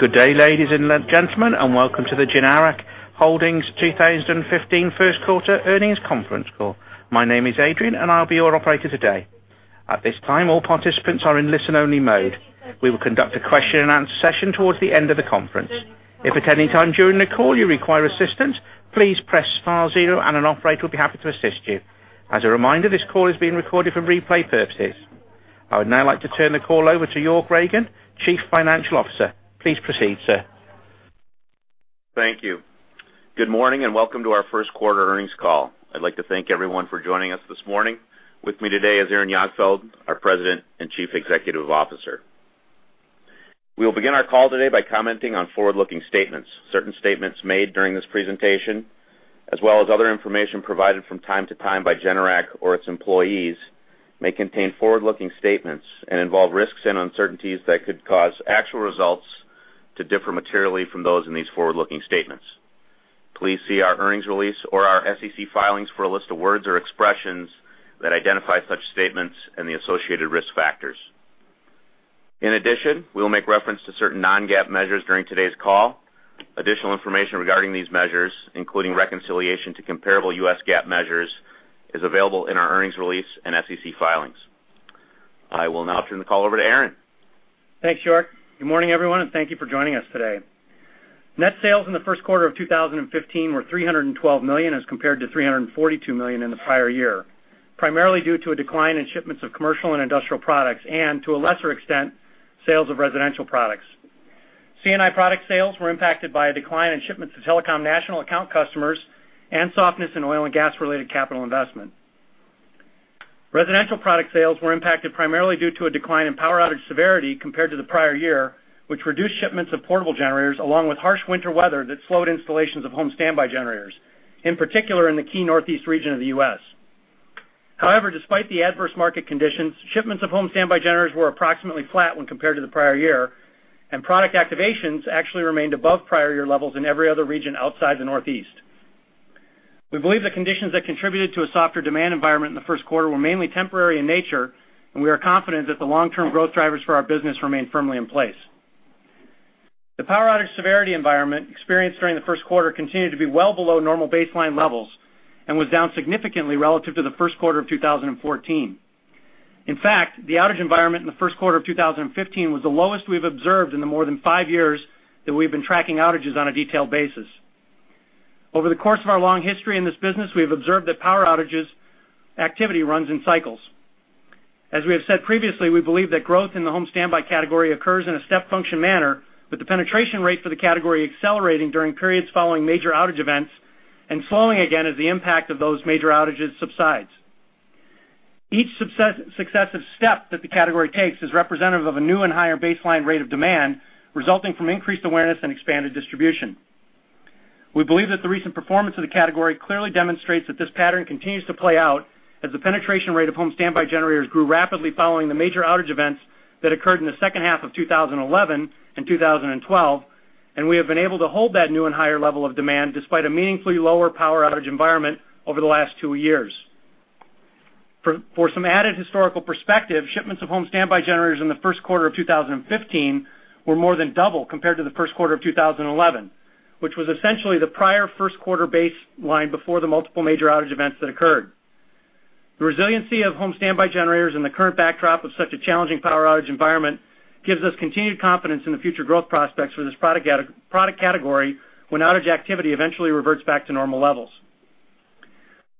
Good day, ladies and gentlemen, and Welcome to the Generac Holdings 2015 first quarter earnings conference call. My name is Adrian, and I will be your operator today. At this time, all participants are in listen-only mode. We will conduct a question-and-answer session towards the end of the conference. If at any time during the call you require assistance, please press star zero, and an operator will be happy to assist you. As a reminder, this call is being recorded for replay purposes. I would now like to turn the call over to York Ragen, Chief Financial Officer. Please proceed, sir. Thank you. Good morning, and Welcome to our first quarter earnings call. I would like to thank everyone for joining us this morning. With me today is Aaron Jagdfeld, our President and Chief Executive Officer. We will begin our call today by commenting on forward-looking statements. Certain statements made during this presentation, as well as other information provided from time to time by Generac or its employees, may contain forward-looking statements and involve risks and uncertainties that could cause actual results to differ materially from those in these forward-looking statements. Please see our earnings release or our SEC filings for a list of words or expressions that identify such statements and the associated risk factors. In addition, we will make reference to certain non-GAAP measures during today's call. Additional information regarding these measures, including reconciliation to comparable U.S. GAAP measures, is available in our earnings release and SEC filings. I will now turn the call over to Aaron. Thanks, York. Good morning, everyone, and thank you for joining us today. Net sales in the first quarter of 2015 were $312 million as compared to $342 million in the prior year, primarily due to a decline in shipments of commercial and industrial products and, to a lesser extent, sales of residential products. C&I product sales were impacted by a decline in shipments to telecom national account customers and softness in oil and gas-related capital investment. Residential product sales were impacted primarily due to a decline in power outage severity compared to the prior year, which reduced shipments of portable generators, along with harsh winter weather that slowed installations of home standby generators, in particular in the key Northeast region of the U.S. Despite the adverse market conditions, shipments of home standby generators were approximately flat when compared to the prior year, and product activations actually remained above prior year levels in every other region outside the Northeast. We believe the conditions that contributed to a softer demand environment in the first quarter were mainly temporary in nature, and we are confident that the long-term growth drivers for our business remain firmly in place. The power outage severity environment experienced during the first quarter continued to be well below normal baseline levels and was down significantly relative to the first quarter of 2014. In fact, the outage environment in the first quarter of 2015 was the lowest we've observed in the more than five years that we've been tracking outages on a detailed basis. Over the course of our long history in this business, we have observed that power outages activity runs in cycles. As we have said previously, we believe that growth in the home standby category occurs in a step function manner, with the penetration rate for the category accelerating during periods following major outage events and slowing again as the impact of those major outages subsides. Each successive step that the category takes is representative of a new and higher baseline rate of demand resulting from increased awareness and expanded distribution. We believe that the recent performance of the category clearly demonstrates that this pattern continues to play out as the penetration rate of home standby generators grew rapidly following the major outage events that occurred in the second half of 2011 and 2012, and we have been able to hold that new and higher level of demand despite a meaningfully lower power outage environment over the last two years. For some added historical perspective, shipments of home standby generators in the first quarter of 2015 were more than double compared to the first quarter of 2011, which was essentially the prior first quarter baseline before the multiple major outage events that occurred. The resiliency of home standby generators in the current backdrop of such a challenging power outage environment gives us continued confidence in the future growth prospects for this product category when outage activity eventually reverts back to normal levels.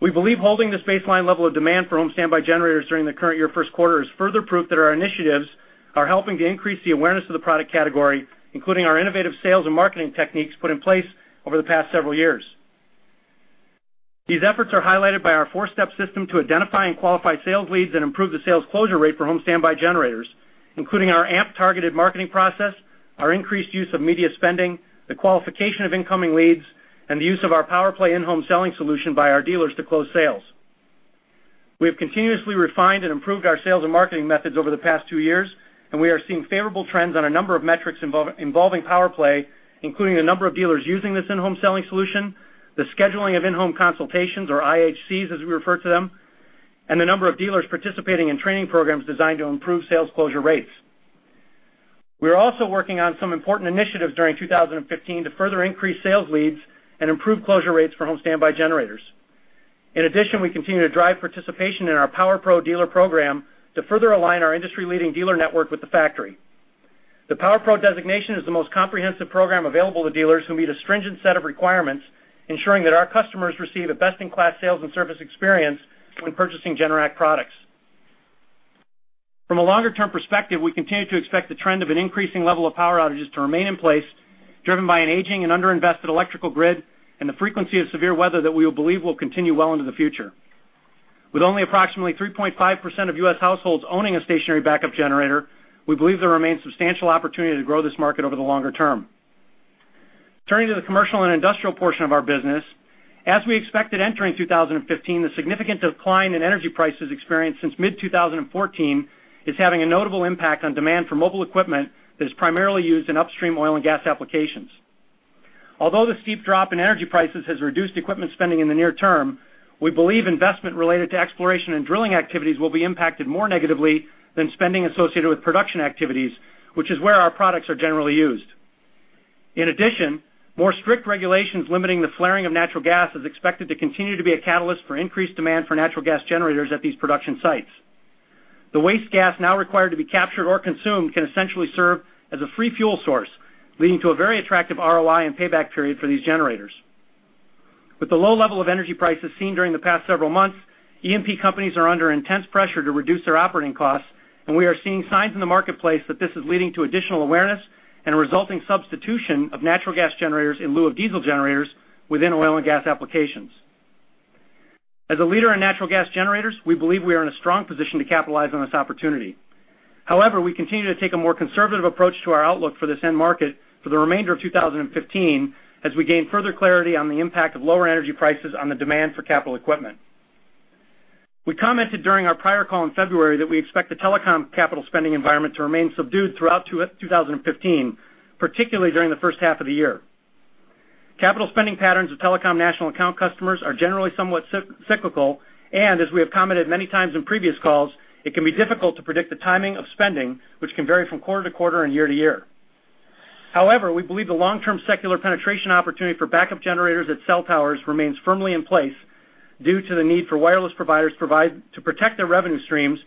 We believe holding this baseline level of demand for home standby generators during the current year first quarter is further proof that our initiatives are helping to increase the awareness of the product category, including our innovative sales and marketing techniques put in place over the past several years. These efforts are highlighted by our four-step system to identify and qualify sales leads and improve the sales closure rate for home standby generators, including our AMP targeted marketing process, our increased use of media spending, the qualification of incoming leads, and the use of our PowerPlay in-home selling solution by our dealers to close sales. We have continuously refined and improved our sales and marketing methods over the past two years. We are seeing favorable trends on a number of metrics involving PowerPlay, including the number of dealers using this in-home selling solution, the scheduling of in-home consultations, or IHCs, as we refer to them, and the number of dealers participating in training programs designed to improve sales closure rates. We are also working on some important initiatives during 2015 to further increase sales leads and improve closure rates for home standby generators. In addition, we continue to drive participation in our PowerPro dealer program to further align our industry-leading dealer network with the factory. The PowerPro designation is the most comprehensive program available to dealers who meet a stringent set of requirements, ensuring that our customers receive a best-in-class sales and service experience when purchasing Generac products. From a longer-term perspective, we continue to expect the trend of an increasing level of power outages to remain in place, driven by an aging and underinvested electrical grid and the frequency of severe weather that we believe will continue well into the future. With only approximately 3.5% of U.S. households owning a stationary backup generator, we believe there remains substantial opportunity to grow this market over the longer term. Turning to the commercial and industrial portion of our business, as we expected entering 2015, the significant decline in energy prices experienced since mid-2014 is having a notable impact on demand for mobile equipment that is primarily used in upstream oil and gas applications. Although the steep drop in energy prices has reduced equipment spending in the near term, we believe investment related to exploration and drilling activities will be impacted more negatively than spending associated with production activities, which is where our products are generally used. In addition, more strict regulations limiting the flaring of natural gas is expected to continue to be a catalyst for increased demand for natural gas generators at these production sites. The waste gas now required to be captured or consumed can essentially serve as a free fuel source, leading to a very attractive ROI and payback period for these generators. With the low level of energy prices seen during the past several months, E&P companies are under intense pressure to reduce their operating costs. We are seeing signs in the marketplace that this is leading to additional awareness and a resulting substitution of natural gas generators in lieu of diesel generators within oil and gas applications. As a leader in natural gas generators, we believe we are in a strong position to capitalize on this opportunity. However, we continue to take a more conservative approach to our outlook for this end market for the remainder of 2015 as we gain further clarity on the impact of lower energy prices on the demand for capital equipment. We commented during our prior call in February that we expect the telecom capital spending environment to remain subdued throughout 2015, particularly during the first half of the year. Capital spending patterns of telecom national account customers are generally somewhat cyclical, and as we have commented many times in previous calls, it can be difficult to predict the timing of spending, which can vary from quarter-to-quarter and year to year. However, we believe the long-term secular penetration opportunity for backup generators at cell towers remains firmly in place due to the need for wireless providers to protect their revenue streams,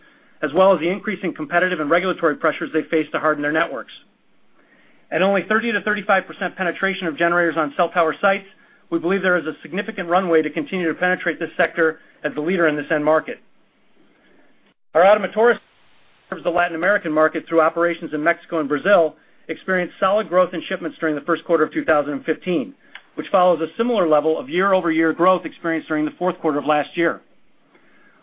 as well as the increasing competitive and regulatory pressures they face to harden their networks. At only 30%-35% penetration of generators on cell tower sites, we believe there is a significant runway to continue to penetrate this sector as the leader in this end market. Our Ottomotores, which serves the Latin American market through operations in Mexico and Brazil, experienced solid growth in shipments during the first quarter of 2015, which follows a similar level of year-over-year growth experienced during the fourth quarter of last year.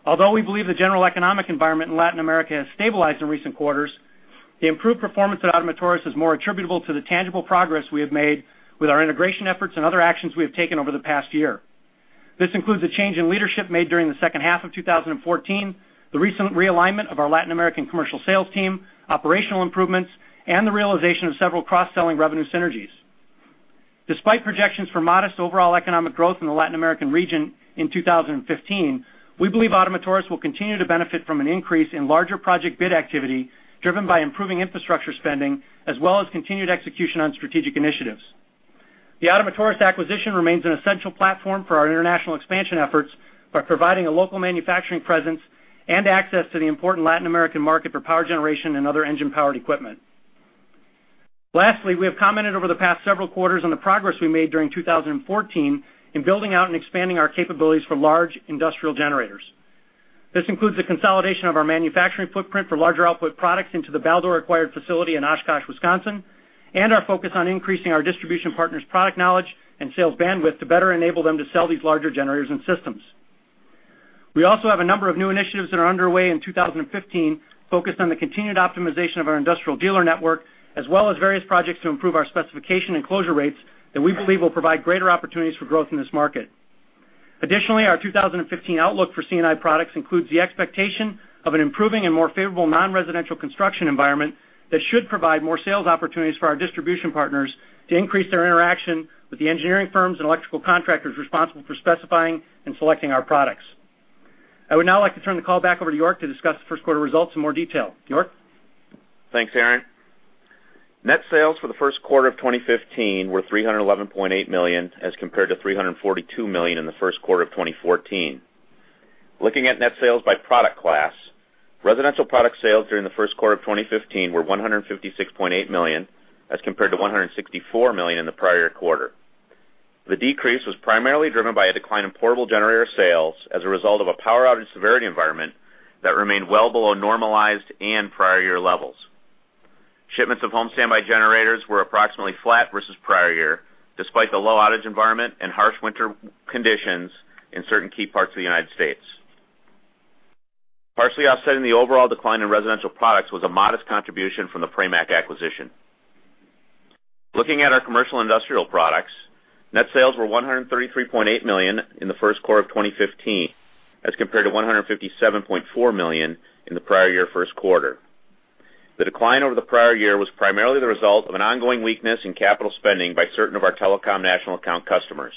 Although we believe the general economic environment in Latin America has stabilized in recent quarters, the improved performance at Ottomotores is more attributable to the tangible progress we have made with our integration efforts and other actions we have taken over the past year. This includes a change in leadership made during the second half of 2014, the recent realignment of our Latin American commercial sales team, operational improvements, and the realization of several cross-selling revenue synergies. Despite projections for modest overall economic growth in the Latin American region in 2015, we believe Ottomotores will continue to benefit from an increase in larger project bid activity driven by improving infrastructure spending, as well as continued execution on strategic initiatives. The Ottomotores acquisition remains an essential platform for our international expansion efforts by providing a local manufacturing presence and access to the important Latin American market for power generation and other engine-powered equipment. Lastly, we have commented over the past several quarters on the progress we made during 2014 in building out and expanding our capabilities for large industrial generators. This includes the consolidation of our manufacturing footprint for larger output products into the Baldor-acquired facility in Oshkosh, Wisconsin, and our focus on increasing our distribution partners' product knowledge and sales bandwidth to better enable them to sell these larger generators and systems. We also have a number of new initiatives that are underway in 2015 focused on the continued optimization of our industrial dealer network, as well as various projects to improve our specification and closure rates that we believe will provide greater opportunities for growth in this market. Additionally, our 2015 outlook for C&I products includes the expectation of an improving and more favorable non-residential construction environment that should provide more sales opportunities for our distribution partners to increase their interaction with the engineering firms and electrical contractors responsible for specifying and selecting our products. I would now like to turn the call back over to York to discuss the first quarter results in more detail. York? Thanks, Aaron. Net sales for the first quarter of 2015 were $311.8 million, as compared to $342 million in the first quarter of 2014. Looking at net sales by product class, residential product sales during the first quarter of 2015 were $156.8 million, as compared to $164 million in the prior quarter. The decrease was primarily driven by a decline in portable generator sales as a result of a power outage severity environment that remained well below normalized and prior year levels. Shipments of home standby generators were approximately flat versus the prior year, despite the low outage environment and harsh winter conditions in certain key parts of the United States. Partially offsetting the overall decline in residential products was a modest contribution from the Pramac acquisition. Looking at our commercial industrial products, net sales were $133.8 million in the first quarter of 2015, as compared to $157.4 million in the prior year first quarter. The decline over the prior year was primarily the result of an ongoing weakness in capital spending by certain of our telecom national account customers.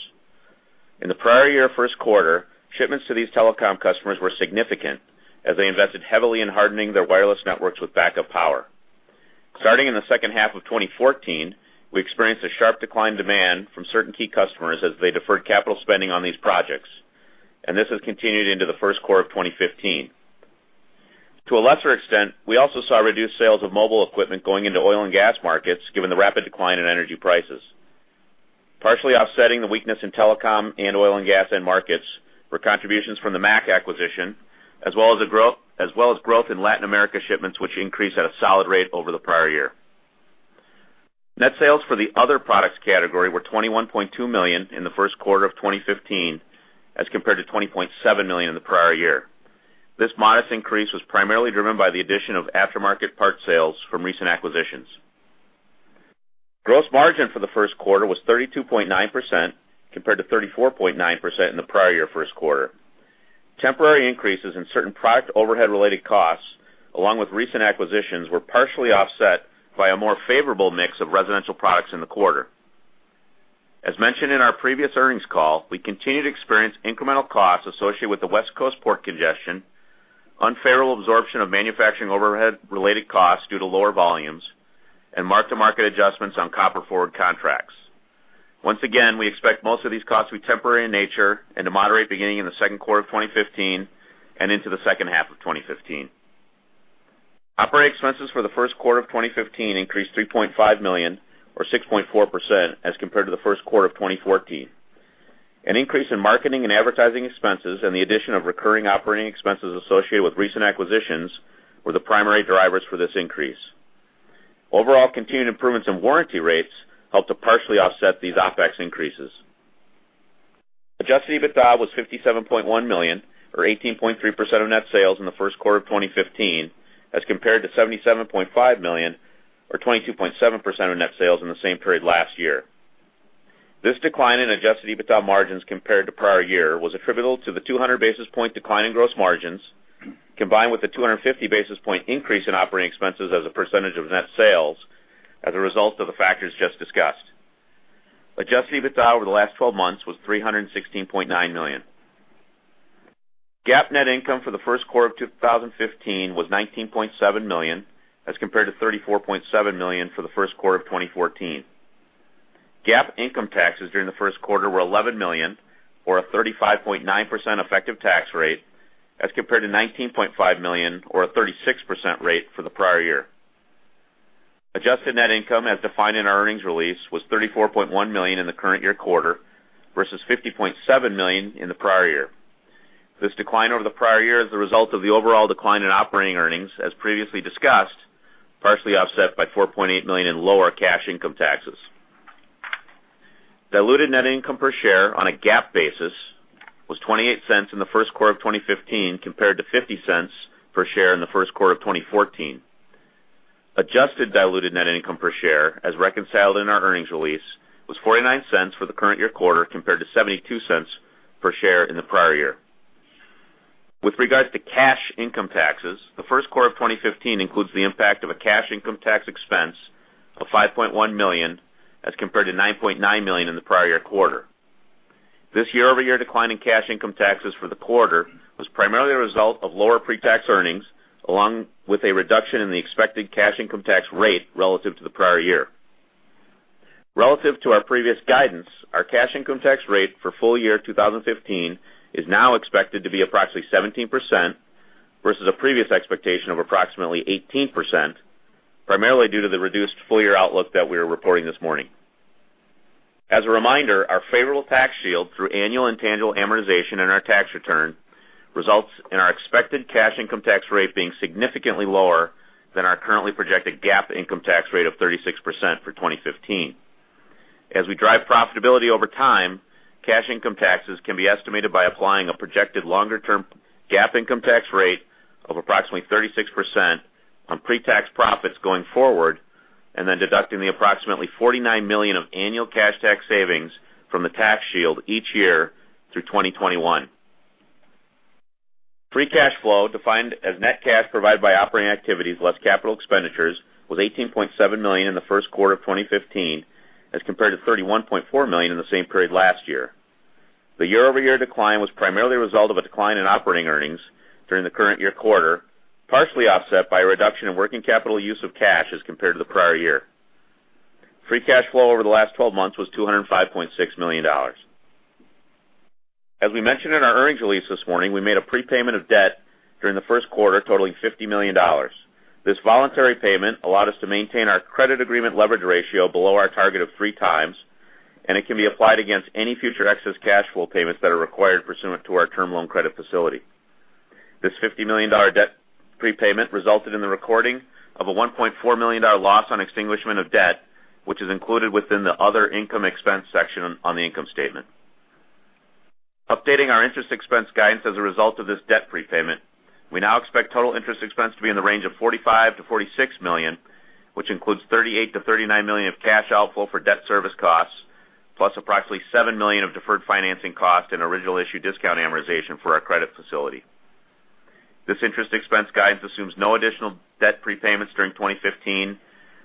In the prior year first quarter, shipments to these telecom customers were significant as they invested heavily in hardening their wireless networks with backup power. Starting in the second half of 2014, we experienced a sharp decline in demand from certain key customers as they deferred capital spending on these projects. This has continued into the first quarter of 2015. To a lesser extent, we also saw reduced sales of mobile equipment going into oil and gas markets, given the rapid decline in energy prices. Partially offsetting the weakness in telecom and oil and gas end markets were contributions from the MAC acquisition, as well as growth in Latin America shipments, which increased at a solid rate over the prior year. Net sales for the other products category were $21.2 million in the first quarter of 2015, as compared to $20.7 million in the prior year. This modest increase was primarily driven by the addition of aftermarket parts sales from recent acquisitions. Gross margin for the first quarter was 32.9%, compared to 34.9% in the prior year first quarter. Temporary increases in certain product overhead-related costs, along with recent acquisitions, were partially offset by a more favorable mix of residential products in the quarter. As mentioned in our previous earnings call, we continue to experience incremental costs associated with the West Coast port congestion, unfavorable absorption of manufacturing overhead-related costs due to lower volumes, and mark-to-market adjustments on copper forward contracts. Once again, we expect most of these costs to be temporary in nature and to moderate beginning in the second quarter of 2015 and into the second half of 2015. Operating expenses for the first quarter of 2015 increased $3.5 million, or 6.4%, as compared to the first quarter of 2014. An increase in marketing and advertising expenses and the addition of recurring operating expenses associated with recent acquisitions were the primary drivers for this increase. Overall continued improvements in warranty rates helped to partially offset these OpEx increases. Adjusted EBITDA was $57.1 million, or 18.3% of net sales in the first quarter of 2015, as compared to $77.5 million, or 22.7% of net sales in the same period last year. This decline in Adjusted EBITDA margins compared to prior year was attributable to the 200 basis point decline in gross margins, combined with the 250 basis point increase in operating expenses as a percentage of net sales as a result of the factors just discussed. Adjusted EBITDA over the last 12 months was $316.9 million. GAAP net income for the first quarter of 2015 was $19.7 million, as compared to $34.7 million for the first quarter of 2014. GAAP income taxes during the first quarter were $11 million, or a 35.9% effective tax rate, as compared to $19.5 million, or a 36% rate for the prior year. Adjusted net income as defined in our earnings release was $34.1 million in the current year quarter versus $50.7 million in the prior year. This decline over the prior year is the result of the overall decline in operating earnings, as previously discussed, partially offset by $4.8 million in lower cash income taxes. Diluted net income per share on a GAAP basis was $0.28 in the first quarter of 2015 compared to $0.50 per share in the first quarter of 2014. Adjusted diluted net income per share, as reconciled in our earnings release, was $0.49 for the current year quarter compared to $0.72 per share in the prior year. With regards to cash income taxes, the first quarter of 2015 includes the impact of a cash income tax expense of $5.1 million as compared to $9.9 million in the prior year quarter. This year-over-year decline in cash income taxes for the quarter was primarily a result of lower pre-tax earnings, along with a reduction in the expected cash income tax rate relative to the prior year. Relative to our previous guidance, our cash income tax rate for full year 2015 is now expected to be approximately 17% versus a previous expectation of approximately 18%, primarily due to the reduced full-year outlook that we are reporting this morning. As a reminder, our favorable tax shield through annual intangible amortization in our tax return results in our expected cash income tax rate being significantly lower than our currently projected GAAP income tax rate of 36% for 2015. As we drive profitability over time, cash income taxes can be estimated by applying a projected longer-term GAAP income tax rate of approximately 36% on pre-tax profits going forward, and then deducting the approximately $49 million of annual cash tax savings from the tax shield each year through 2021. Free cash flow, defined as net cash provided by operating activities less capital expenditures, was $18.7 million in the first quarter of 2015 as compared to $31.4 million in the same period last year. The year-over-year decline was primarily a result of a decline in operating earnings during the current year quarter, partially offset by a reduction in working capital use of cash as compared to the prior year. Free cash flow over the last 12 months was $205.6 million. As we mentioned in our earnings release this morning, we made a prepayment of debt during the first quarter totaling $50 million. This voluntary payment allowed us to maintain our credit agreement leverage ratio below our target of 3x, and it can be applied against any future excess cash flow payments that are required pursuant to our term loan credit facility. This $50 million debt prepayment resulted in the recording of a $1.4 million loss on extinguishment of debt, which is included within the other income expense section on the income statement. Updating our interest expense guidance as a result of this debt prepayment, we now expect total interest expense to be in the range of $45 million-$46 million, which includes $38 million-$39 million of cash outflow for debt service costs, plus approximately $7 million of deferred financing costs and original issue discount amortization for our credit facility. This interest expense guidance assumes no additional debt prepayments during 2015,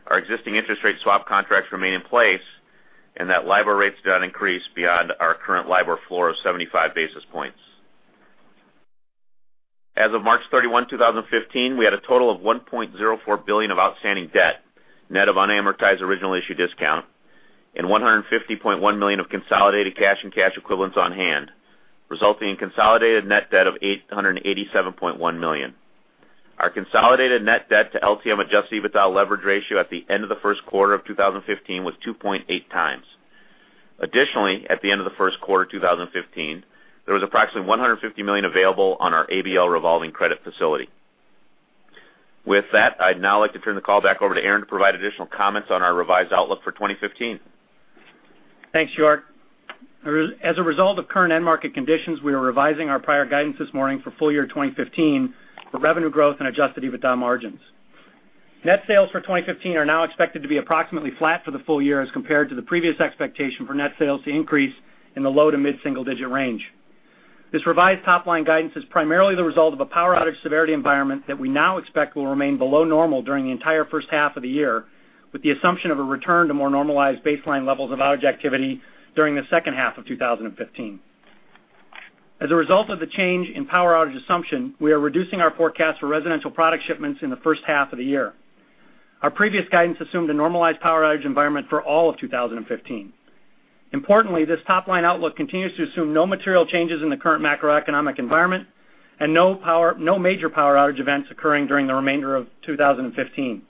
our existing interest rate swap contracts remain in place, and that LIBOR rates do not increase beyond our current LIBOR floor of 75 basis points. As of March 31, 2015, we had a total of $1.04 billion of outstanding debt, net of unamortized original issue discount, and $150.1 million of consolidated cash and cash equivalents on hand, resulting in consolidated net debt of $887.1 million. Our consolidated net debt to LTM Adjusted EBITDA leverage ratio at the end of the first quarter of 2015 was 2.8x. Additionally, at the end of the first quarter 2015, there was approximately $150 million available on our ABL revolving credit facility. With that, I'd now like to turn the call back over to Aaron to provide additional comments on our revised outlook for 2015. Thanks, York. As a result of current end market conditions, we are revising our prior guidance this morning for full year 2015 for revenue growth and Adjusted EBITDA margins. Net sales for 2015 are now expected to be approximately flat for the full year as compared to the previous expectation for net sales to increase in the low to mid-single-digit range. This revised top-line guidance is primarily the result of a power outage severity environment that we now expect will remain below normal during the entire first half of the year, with the assumption of a return to more normalized baseline levels of outage activity during the second half of 2015. As a result of the change in power outage assumption, we are reducing our forecast for residential product shipments in the first half of the year. Our previous guidance assumed a normalized power outage environment for all of 2015. Importantly, this top-line outlook continues to assume no material changes in the current macroeconomic environment and no major power outage events occurring during the remainder of 2015.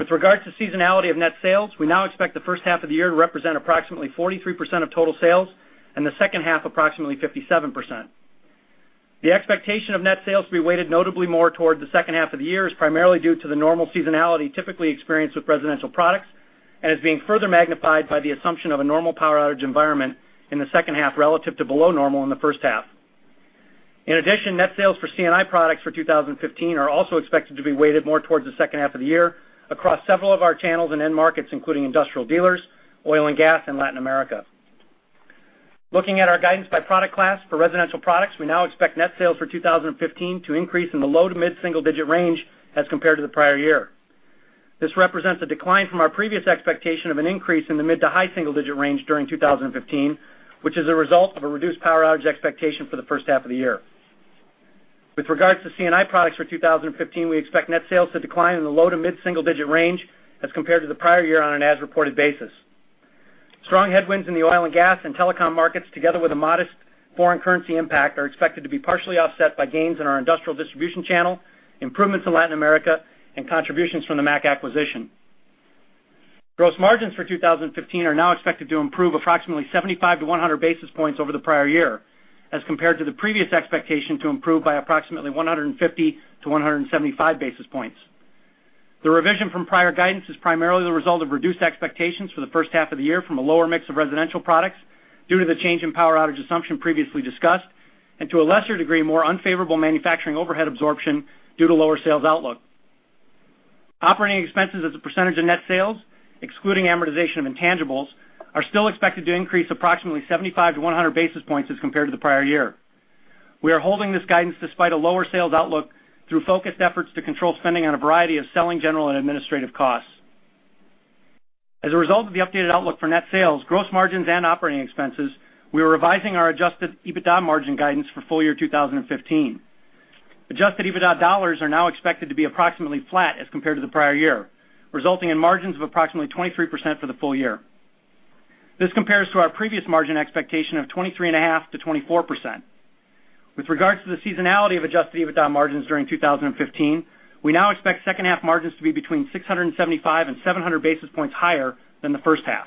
With regards to seasonality of net sales, we now expect the first half of the year to represent approximately 43% of total sales and the second half approximately 57%. The expectation of net sales to be weighted notably more toward the second half of the year is primarily due to the normal seasonality typically experienced with residential products and is being further magnified by the assumption of a normal power outage environment in the second half relative to below normal in the first half. Net sales for C&I products for 2015 are also expected to be weighted more towards the second half of the year across several of our channels and end markets, including industrial dealers, oil and gas, and Latin America. Looking at our guidance by product class for residential products, we now expect net sales for 2015 to increase in the low to mid-single digit range as compared to the prior year. This represents a decline from our previous expectation of an increase in the mid to high single digit range during 2015, which is a result of a reduced power outage expectation for the first half of the year. With regards to C&I products for 2015, we expect net sales to decline in the low to mid-single digit range as compared to the prior year on an as-reported basis. Strong headwinds in the oil and gas and telecom markets, together with a modest foreign currency impact, are expected to be partially offset by gains in our industrial distribution channel, improvements in Latin America, and contributions from the MAC acquisition. Gross margins for 2015 are now expected to improve approximately 75-100 basis points over the prior year as compared to the previous expectation to improve by approximately 150-175 basis points. The revision from prior guidance is primarily the result of reduced expectations for the first half of the year from a lower mix of residential products due to the change in power outage assumption previously discussed, and to a lesser degree, more unfavorable manufacturing overhead absorption due to lower sales outlook. Operating expenses as a percentage of net sales, excluding amortization of intangibles, are still expected to increase approximately 75-100 basis points as compared to the prior year. We are holding this guidance despite a lower sales outlook through focused efforts to control spending on a variety of selling general and administrative costs. As a result of the updated outlook for net sales, gross margins and operating expenses, we are revising our Adjusted EBITDA margin guidance for full year 2015. Adjusted EBITDA dollars are now expected to be approximately flat as compared to the prior year, resulting in margins of approximately 23% for the full year. This compares to our previous margin expectation of 23.5%-24%. With regards to the seasonality of Adjusted EBITDA margins during 2015, we now expect second half margins to be between 675 and 700 basis points higher than the first half.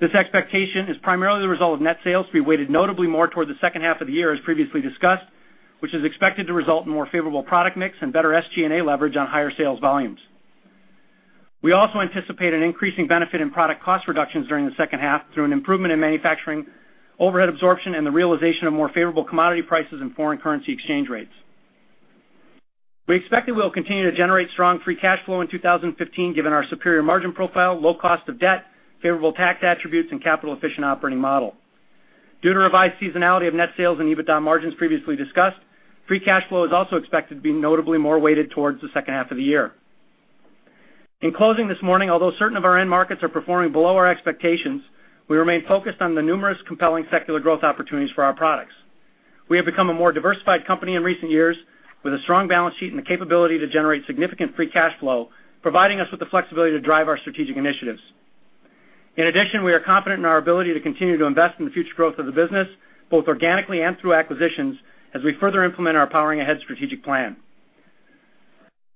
This expectation is primarily the result of net sales to be weighted notably more toward the second half of the year, as previously discussed, which is expected to result in more favorable product mix and better SG&A leverage on higher sales volumes. We also anticipate an increasing benefit in product cost reductions during the second half through an improvement in manufacturing overhead absorption and the realization of more favorable commodity prices and foreign currency exchange rates. We expect that we'll continue to generate strong free cash flow in 2015, given our superior margin profile, low cost of debt, favorable tax attributes, and capital efficient operating model. Due to revised seasonality of net sales and EBITDA margins previously discussed, free cash flow is also expected to be notably more weighted towards the second half of the year. In closing this morning, although certain of our end markets are performing below our expectations, we remain focused on the numerous compelling secular growth opportunities for our products. We have become a more diversified company in recent years with a strong balance sheet and the capability to generate significant free cash flow, providing us with the flexibility to drive our strategic initiatives. We are confident in our ability to continue to invest in the future growth of the business, both organically and through acquisitions, as we further implement our Powering Ahead strategic plan.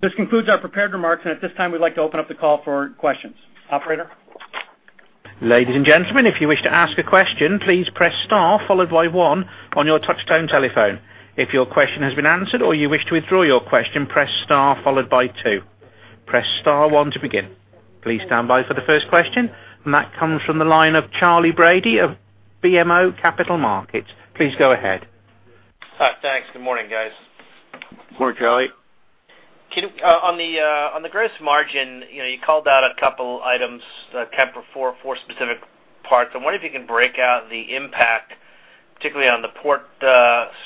This concludes our prepared remarks. At this time, we'd like to open up the call for questions. Operator? Please stand by for the 1st question. That comes from the line of Charley Brady of BMO Capital Markets. Please go ahead. Hi. Thanks. Good morning, guys. Good morning, Charley. On the gross margin, you called out a couple items, four specific parts. I wonder if you can break out the impact, particularly on the port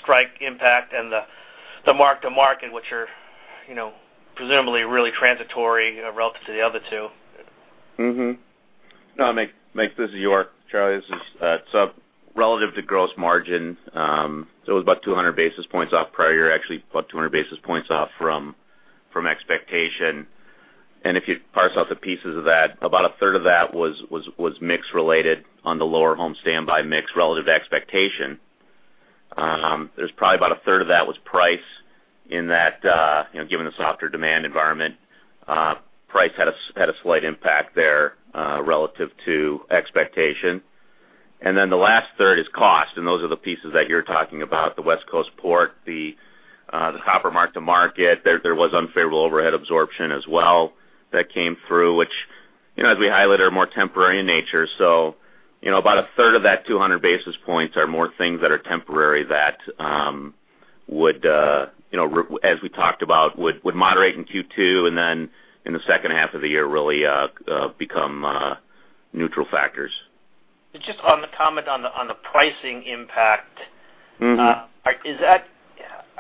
strike impact and the mark-to-market, which are presumably really transitory relative to the other two. This is York. Charley, relative to gross margin, it was about 200 basis points off prior year, actually about 200 basis points off from expectation. If you parse out the pieces of that, about a 3rd of that was mix related on the lower home standby mix relative to expectation. There's probably about a third of that was price in that, given the softer demand environment, price had a slight impact there relative to expectation. The last 3rd is cost, and those are the pieces that you're talking about, the West Coast port, the copper mark-to-market. There was unfavorable overhead absorption as well that came through, which as we highlighted, are more temporary in nature. About a third of that 200 basis points are more things that are temporary that, as we talked about, would moderate in Q2, in the second half of the year, really become neutral factors. Just on the comment on the pricing impact.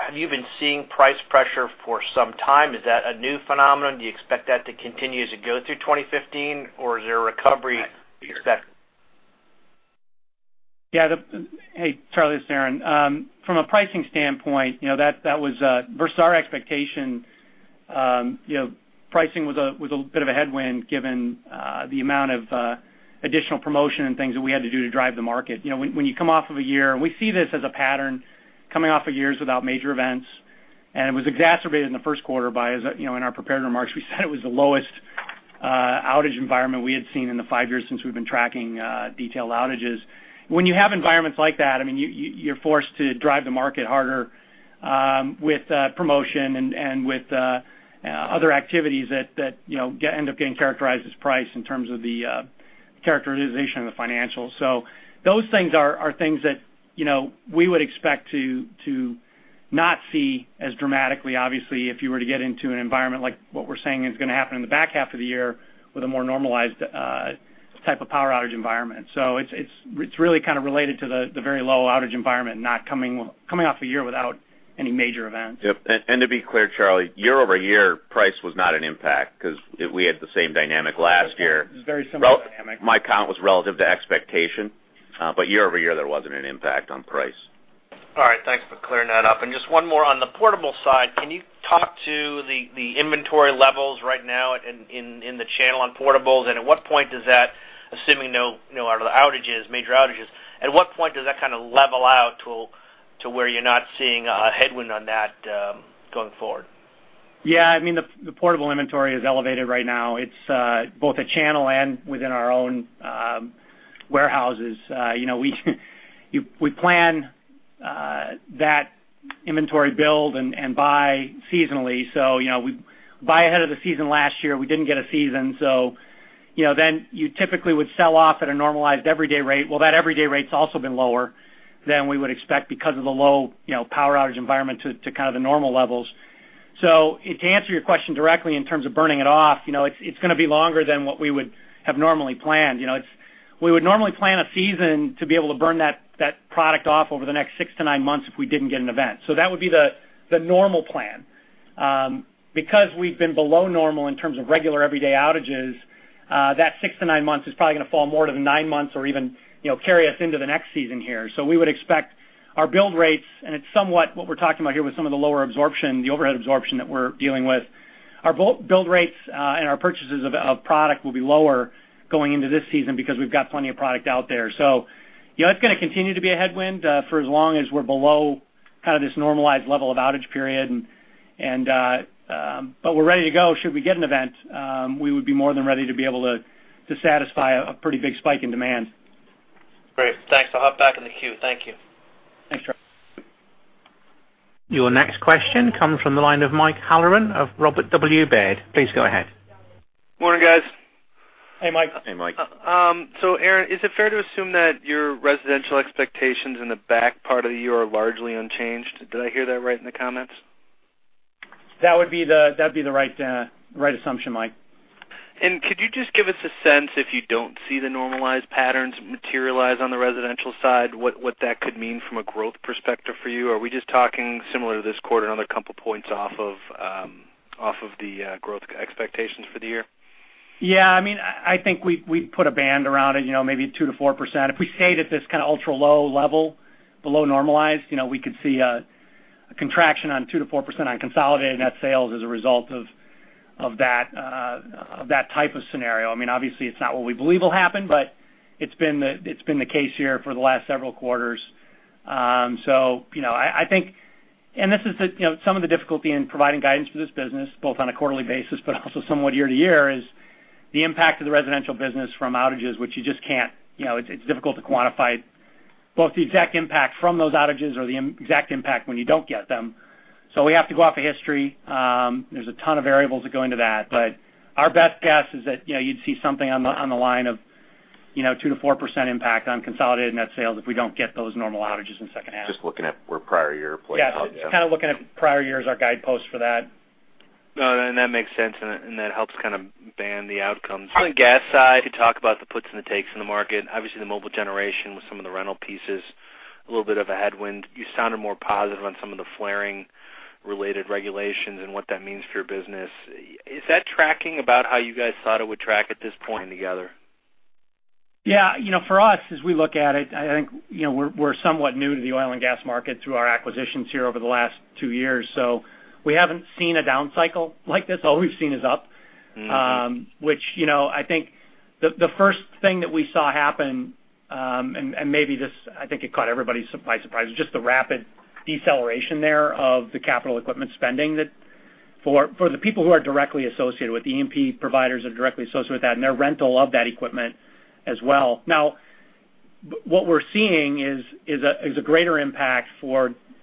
Have you been seeing price pressure for some time? Is that a new phenomenon? Do you expect that to continue as you go through 2015? Or is there a recovery expected? Hey, Charley, this is Aaron. From a pricing standpoint, versus our expectation, pricing was a bit of a headwind given the amount of additional promotion and things that we had to do to drive the market. When you come off of a year, we see this as a pattern, coming off of years without major events, it was exacerbated in the first quarter by, in our prepared remarks, we said it was the lowest outage environment we had seen in the five years since we've been tracking detailed outages. When you have environments like that, you're forced to drive the market harder with promotion and with other activities that end up getting characterized as price in terms of the characterization of the financials. Those things are things that we would expect to not see as dramatically, obviously, if you were to get into an environment like what we're saying is going to happen in the back half of the year with a more normalized type of power outage environment. It's really kind of related to the very low outage environment, coming off a year without any major events. Yep. To be clear, Charley, year-over-year, price was not an impact because we had the same dynamic last year. It was a very similar dynamic. My count was relative to expectation. Year-over-year, there wasn't an impact on price. All right. Thanks for clearing that up. Just one more on the portable side, can you talk to the inventory levels right now in the channel on portables? At what point does that, assuming no outages, major outages, at what point does that kind of level out to where you're not seeing a headwind on that going forward? Yeah, the portable inventory is elevated right now. It's both at channel and within our own warehouses. We plan that inventory build and buy seasonally. We buy ahead of the season last year, we didn't get a season. You typically would sell off at a normalized everyday rate. Well, that everyday rate's also been lower than we would expect because of the low power outage environment to kind of the normal levels. To answer your question directly in terms of burning it off, it's going to be longer than what we would have normally planned. We would normally plan a season to be able to burn that product off over the next 6-9 months if we didn't get an event. That would be the normal plan. Because we've been below normal in terms of regular everyday outages, that 6-9 months is probably going to fall more to the nine months or even carry us into the next season here. We would expect our build rates, and it's somewhat what we're talking about here with some of the lower absorption, the overhead absorption that we're dealing with. Our build rates, and our purchases of product will be lower going into this season because we've got plenty of product out there. It's going to continue to be a headwind for as long as we're below kind of this normalized level of outage period. We're ready to go should we get an event. We would be more than ready to be able to satisfy a pretty big spike in demand. Great. Thanks. I'll hop back in the queue. Thank you. Thanks, Charley. Your next question comes from the line of Mike Halloran of Robert W. Baird. Please go ahead. Morning, guys. Hey, Mike. Hey, Mike. Aaron, is it fair to assume that your residential expectations in the back part of the year are largely unchanged? Did I hear that right in the comments? That'd be the right assumption, Mike. Could you just give us a sense if you don't see the normalized patterns materialize on the residential side, what that could mean from a growth perspective for you? Are we just talking similar to this quarter, another couple points off of the growth expectations for the year? I think we put a band around it, maybe 2%-4%. If we stayed at this kind of ultra low level, below normalized, we could see a contraction on 2%-4% on consolidated net sales as a result of that type of scenario. Obviously, it's not what we believe will happen, but it's been the case here for the last several quarters. This is some of the difficulty in providing guidance for this business, both on a quarterly basis, but also somewhat year-to-year, is the impact of the residential business from outages, which it's difficult to quantify both the exact impact from those outages or the exact impact when you don't get them. We have to go off of history. There's a ton of variables that go into that, but our best guess is that you'd see something on the line of 2%-4% impact on consolidated net sales if we don't get those normal outages in the second half. Just looking at where prior year played out. Yes, just kind of looking at prior year as our guidepost for that. No, that makes sense, and that helps kind of band the outcomes. On the gas side, you talk about the puts and the takes in the market. Obviously, the mobile generation with some of the rental pieces, a little bit of a headwind. You sounded more positive on some of the flaring-related regulations and what that means for your business. Is that tracking about how you guys thought it would track at this point together? For us, as we look at it, I think we're somewhat new to the oil and gas market through our acquisitions here over the last two years, we haven't seen a down cycle like this. All we've seen is up, which I think the first thing that we saw happen, and maybe this, I think it caught everybody by surprise, is just the rapid deceleration there of the capital equipment spending. For the people who are directly associated with the E&P providers are directly associated with that, and their rental of that equipment as well. What we're seeing is a greater impact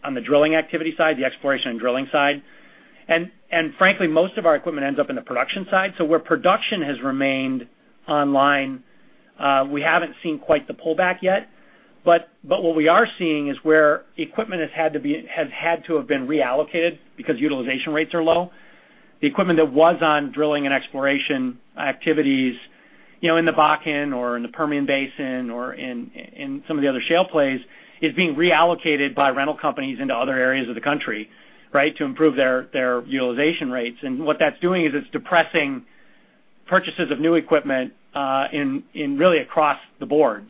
on the drilling activity side, the exploration and drilling side. Frankly, most of our equipment ends up in the production side. Where production has remained online, we haven't seen quite the pullback yet. What we are seeing is where equipment has had to have been reallocated because utilization rates are low. The equipment that was on drilling and exploration activities in the Bakken or in the Permian Basin or in some of the other shale plays, is being reallocated by rental companies into other areas of the country to improve their utilization rates. What that's doing is it's depressing purchases of new equipment really across the board.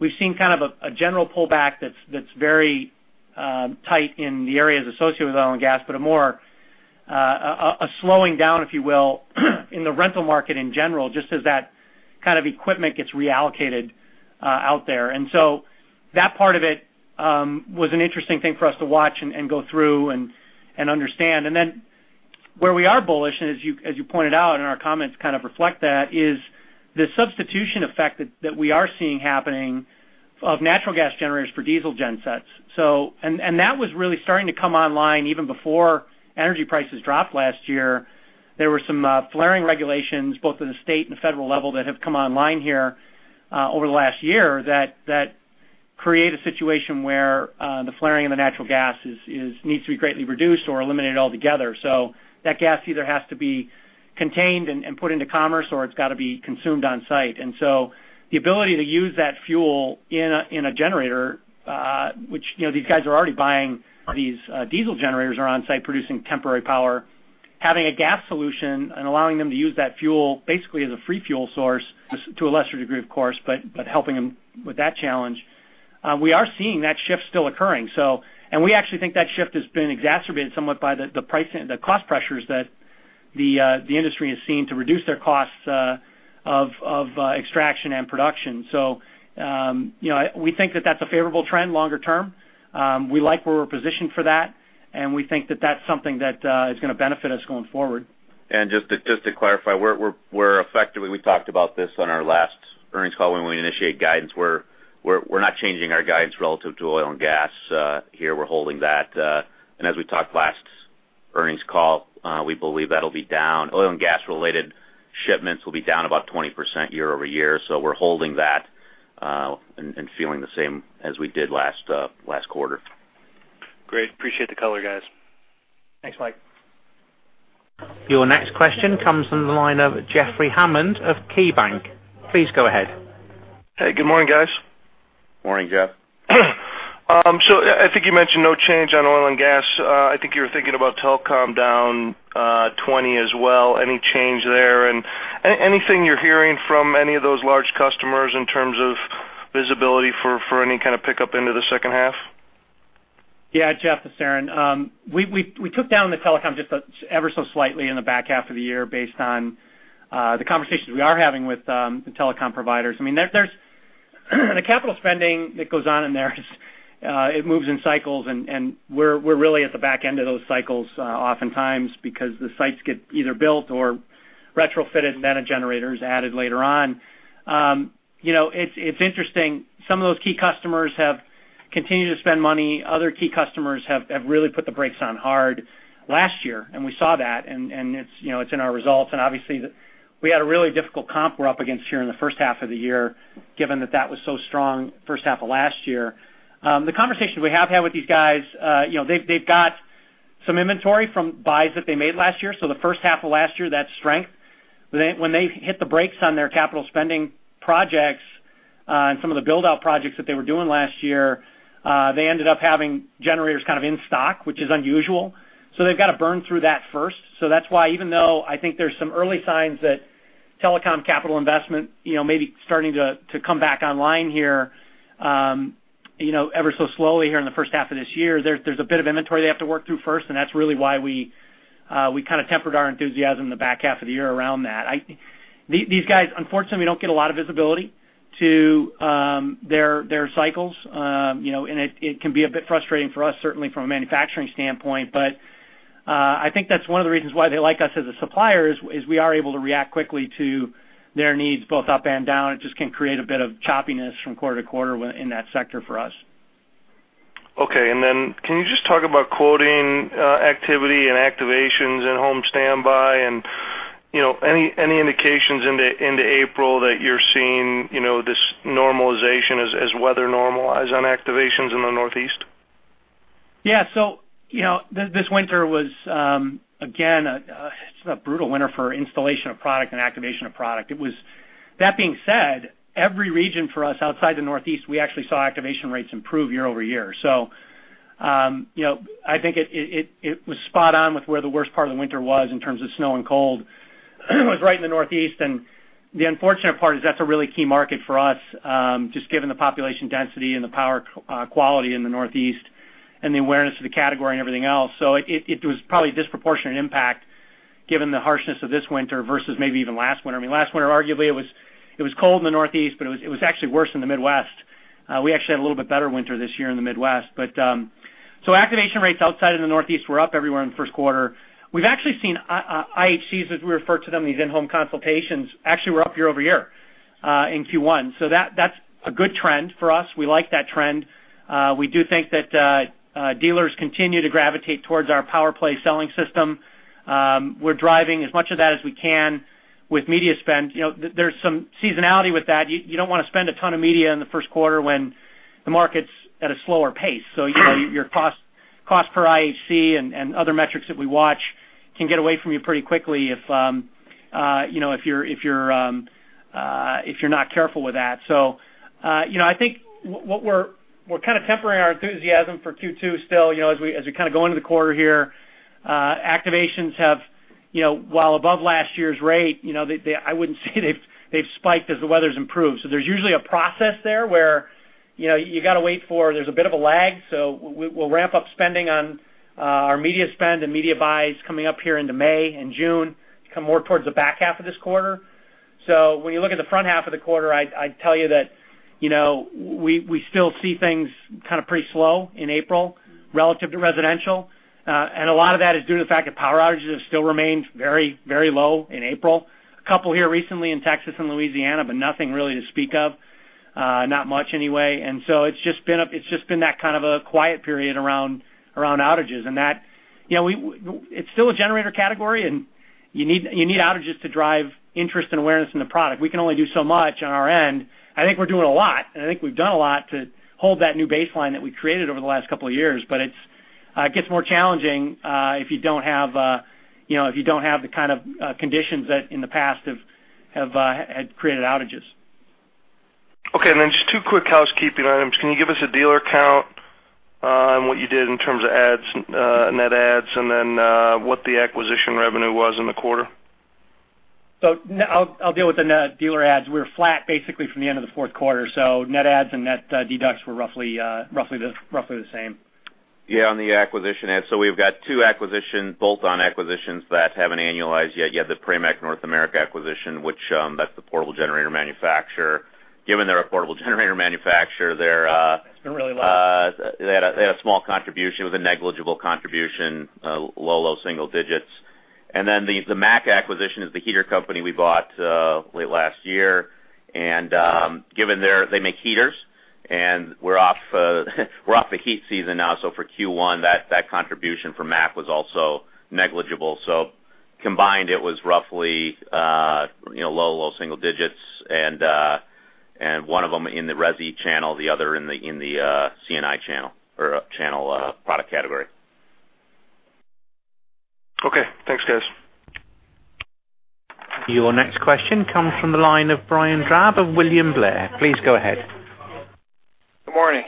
We've seen kind of a general pullback that's very tight in the areas associated with oil and gas, but a slowing down, if you will, in the rental market in general, just as that kind of equipment gets reallocated out there. That part of it was an interesting thing for us to watch and go through and understand. Where we are bullish, and as you pointed out and our comments kind of reflect that, is the substitution effect that we are seeing happening of natural gas generators for diesel gen sets. That was really starting to come online even before energy prices dropped last year. There were some flaring regulations, both at the state and federal level, that have come online here over the last year that create a situation where the flaring of the natural gas needs to be greatly reduced or eliminated altogether. That gas either has to be contained and put into commerce or it's got to be consumed on-site. The ability to use that fuel in a generator, which these guys are already buying these diesel generators are on-site producing temporary power, having a gas solution and allowing them to use that fuel basically as a free fuel source, to a lesser degree, of course, but helping them with that challenge. We are seeing that shift still occurring. We actually think that shift has been exacerbated somewhat by the cost pressures that the industry has seen to reduce their costs of extraction and production. We think that that's a favorable trend longer term. We like where we're positioned for that, and we think that that's something that is going to benefit us going forward. Just to clarify, we're effectively, we talked about this on our last earnings call when we initiate guidance. We're not changing our guidance relative to oil and gas here. We're holding that. As we talked last earnings call, we believe oil and gas related shipments will be down about 20% year-over-year. We're holding that and feeling the same as we did last quarter. Great. Appreciate the color, guys. Thanks, Mike. Your next question comes from the line of Jeffrey Hammond of KeyBanc. Please go ahead. Hey, good morning, guys. Morning, Jeff. I think you mentioned no change on oil and gas. I think you were thinking about telecom down 20% as well. Any change there? Anything you're hearing from any of those large customers in terms of visibility for any kind of pickup into the second half? Yeah. Jeff, it's Aaron. We took down the telecom just ever so slightly in the back half of the year based on the conversations we are having with the telecom providers. I mean, the capital spending that goes on in there, it moves in cycles, and we're really at the back end of those cycles oftentimes because the sites get either built or retrofitted, and then a generator is added later on. It's interesting. Some of those key customers have continued to spend money. Other key customers have really put the brakes on hard last year, and we saw that, and it's in our results. Obviously, we had a really difficult comp we're up against here in the first half of the year, given that that was so strong first half of last year. The conversations we have had with these guys, they've got some inventory from buys that they made last year. The first half of last year, that strength. When they hit the brakes on their capital spending projects and some of the build-out projects that they were doing last year, they ended up having generators kind of in stock, which is unusual. They've got to burn through that first. That's why even though I think there's some early signs that telecom capital investment may be starting to come back online here ever so slowly here in the first half of this year, there's a bit of inventory they have to work through first, and that's really why we kind of tempered our enthusiasm in the back half of the year around that. These guys, unfortunately, don't get a lot of visibility to their cycles. It can be a bit frustrating for us, certainly from a manufacturing standpoint. I think that's one of the reasons why they like us as a supplier is we are able to react quickly to their needs, both up and down. It just can create a bit of choppiness from quarter-to-quarter in that sector for us. Okay. Can you just talk about quoting activity and activations in home standby and any indications into April that you're seeing this normalization as weather normalize on activations in the Northeast? Yeah. This winter was, again, a brutal winter for installation of product and activation of product. That being said, every region for us outside the Northeast, we actually saw activation rates improve year-over-year. I think it was spot on with where the worst part of the winter was in terms of snow and cold. It was right in the Northeast, and the unfortunate part is that's a really key market for us, just given the population density and the power quality in the Northeast and the awareness of the category and everything else. It was probably a disproportionate impact given the harshness of this winter versus maybe even last winter. I mean, last winter, arguably, it was cold in the Northeast, but it was actually worse in the Midwest. We actually had a little bit better winter this year in the Midwest. Activation rates outside of the Northeast were up everywhere in the first quarter. We've actually seen IHCs, as we refer to them, these in-home consultations, actually were up year-over-year in Q1. That's a good trend for us. We like that trend. We do think that dealers continue to gravitate towards our PowerPlay selling system. We're driving as much of that as we can with media spend. There's some seasonality with that. You don't want to spend a ton of media in the first quarter when the market's at a slower pace. Your cost per IHC and other metrics that we watch can get away from you pretty quickly if you're not careful with that. I think what we're kind of tempering our enthusiasm for Q2 still, as we kind of go into the quarter here, activations have, while above last year's rate, I wouldn't say they've spiked as the weather's improved. There's usually a process there where you got to wait for, there's a bit of a lag. We'll ramp up spending on our media spend and media buys coming up here into May and June, come more towards the back half of this quarter. When you look at the front half of the quarter, I'd tell you that we still see things kind of pretty slow in April relative to residential. A lot of that is due to the fact that power outages have still remained very low in April. A couple here recently in Texas and Louisiana, but nothing really to speak of. Not much anyway. It's just been that kind of a quiet period around outages. It's still a generator category, and you need outages to drive interest and awareness in the product. We can only do so much on our end. I think we're doing a lot, and I think we've done a lot to hold that new baseline that we created over the last couple of years. It gets more challenging, if you don't have the kind of conditions that in the past had created outages. Okay. Just two quick housekeeping items. Can you give us a dealer count on what you did in terms of net adds, and then what the acquisition revenue was in the quarter? I'll deal with the net dealer adds. We're flat basically from the end of the fourth quarter. Net adds and net deducts were roughly the same. On the acquisition adds, we've got two bolt-on acquisitions that haven't annualized yet. You have the Pramac America acquisition, that's the portable generator manufacturer. Given they're a portable generator manufacturer. They're really low. They had a small contribution. It was a negligible contribution, low single digits. The MAC acquisition is the heater company we bought late last year. Given they make heaters, and we're off the heat season now, so for Q1, that contribution from MAC was also negligible. Combined, it was roughly low single digits, and one of them in the Resi channel, the other in the C&I channel or channel product category. Okay. Thanks, guys. Your next question comes from the line of Brian Drab of William Blair. Please go ahead. Good morning.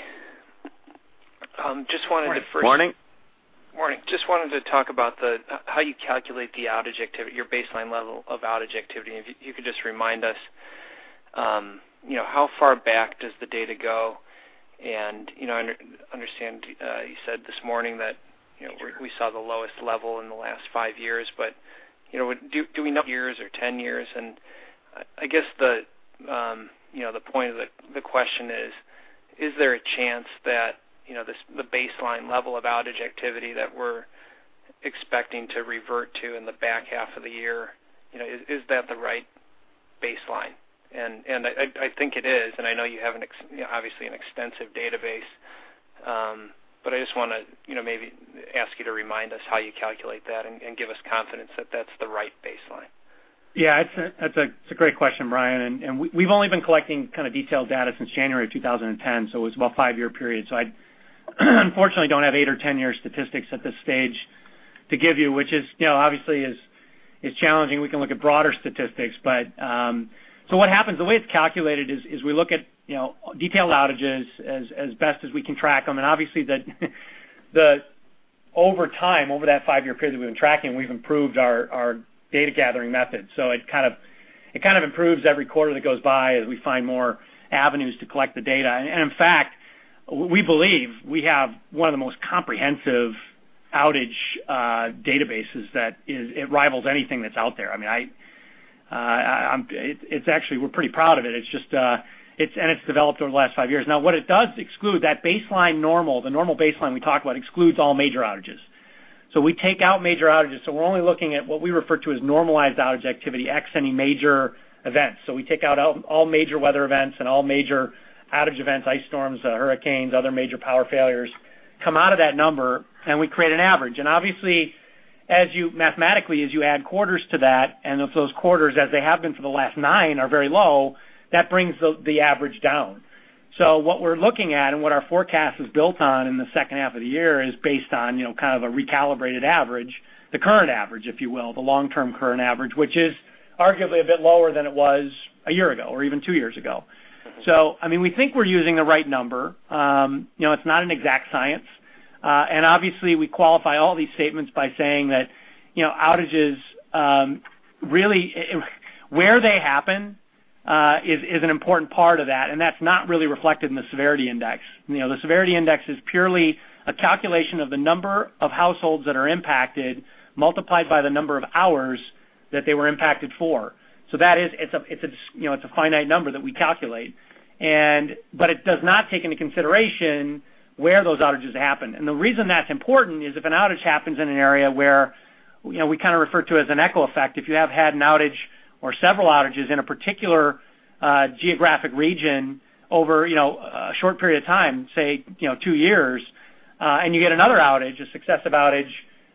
Morning. Morning. Morning. Just wanted to talk about how you calculate your baseline level of outage activity. If you could just remind us, how far back does the data go? I understand you said this morning that we saw the lowest level in the last five years, but do we know years or 10 years? I guess the point of the question is there a chance that the baseline level of outage activity that we're expecting to revert to in the back half of the year, is that the right baseline? I think it is, and I know you have, obviously, an extensive database. I just want to maybe ask you to remind us how you calculate that and give us confidence that that's the right baseline. Yeah, that's a great question, Brian. We've only been collecting detailed data since January of 2010, so it was about a five-year period. I unfortunately don't have eight or 10-year statistics at this stage to give you, which obviously is challenging. We can look at broader statistics. What happens, the way it's calculated is we look at detailed outages as best as we can track them. Obviously, over time, over that five-year period that we've been tracking, we've improved our data gathering methods. It kind of improves every quarter that goes by as we find more avenues to collect the data. In fact, we believe we have one of the most comprehensive outage databases, it rivals anything that's out there. Actually, we're pretty proud of it, and it's developed over the last five years. Now, what it does exclude, that baseline normal, the normal baseline we talk about excludes all major outages. We take out major outages. We're only looking at what we refer to as normalized outage activity, X any major events. We take out all major weather events and all major outage events, ice storms, hurricanes, other major power failures, come out of that number, and we create an average. Obviously, mathematically, as you add quarters to that, and if those quarters, as they have been for the last nine, are very low, that brings the average down. What we're looking at and what our forecast is built on in the second half of the year is based on kind of a recalibrated average, the current average, if you will, the long-term current average, which is arguably a bit lower than it was a year ago or even two years ago. We think we're using the right number. It's not an exact science. Obviously, we qualify all these statements by saying that outages, really, where they happen, is an important part of that, and that's not really reflected in the severity index. The severity index is purely a calculation of the number of households that are impacted, multiplied by the number of hours that they were impacted for. That is a finite number that we calculate. It does not take into consideration where those outages happen. The reason that's important is if an outage happens in an area where we refer to as an echo effect, if you have had an outage or several outages in a particular geographic region over a short period of time, say, two years, and you get another outage, a successive outage,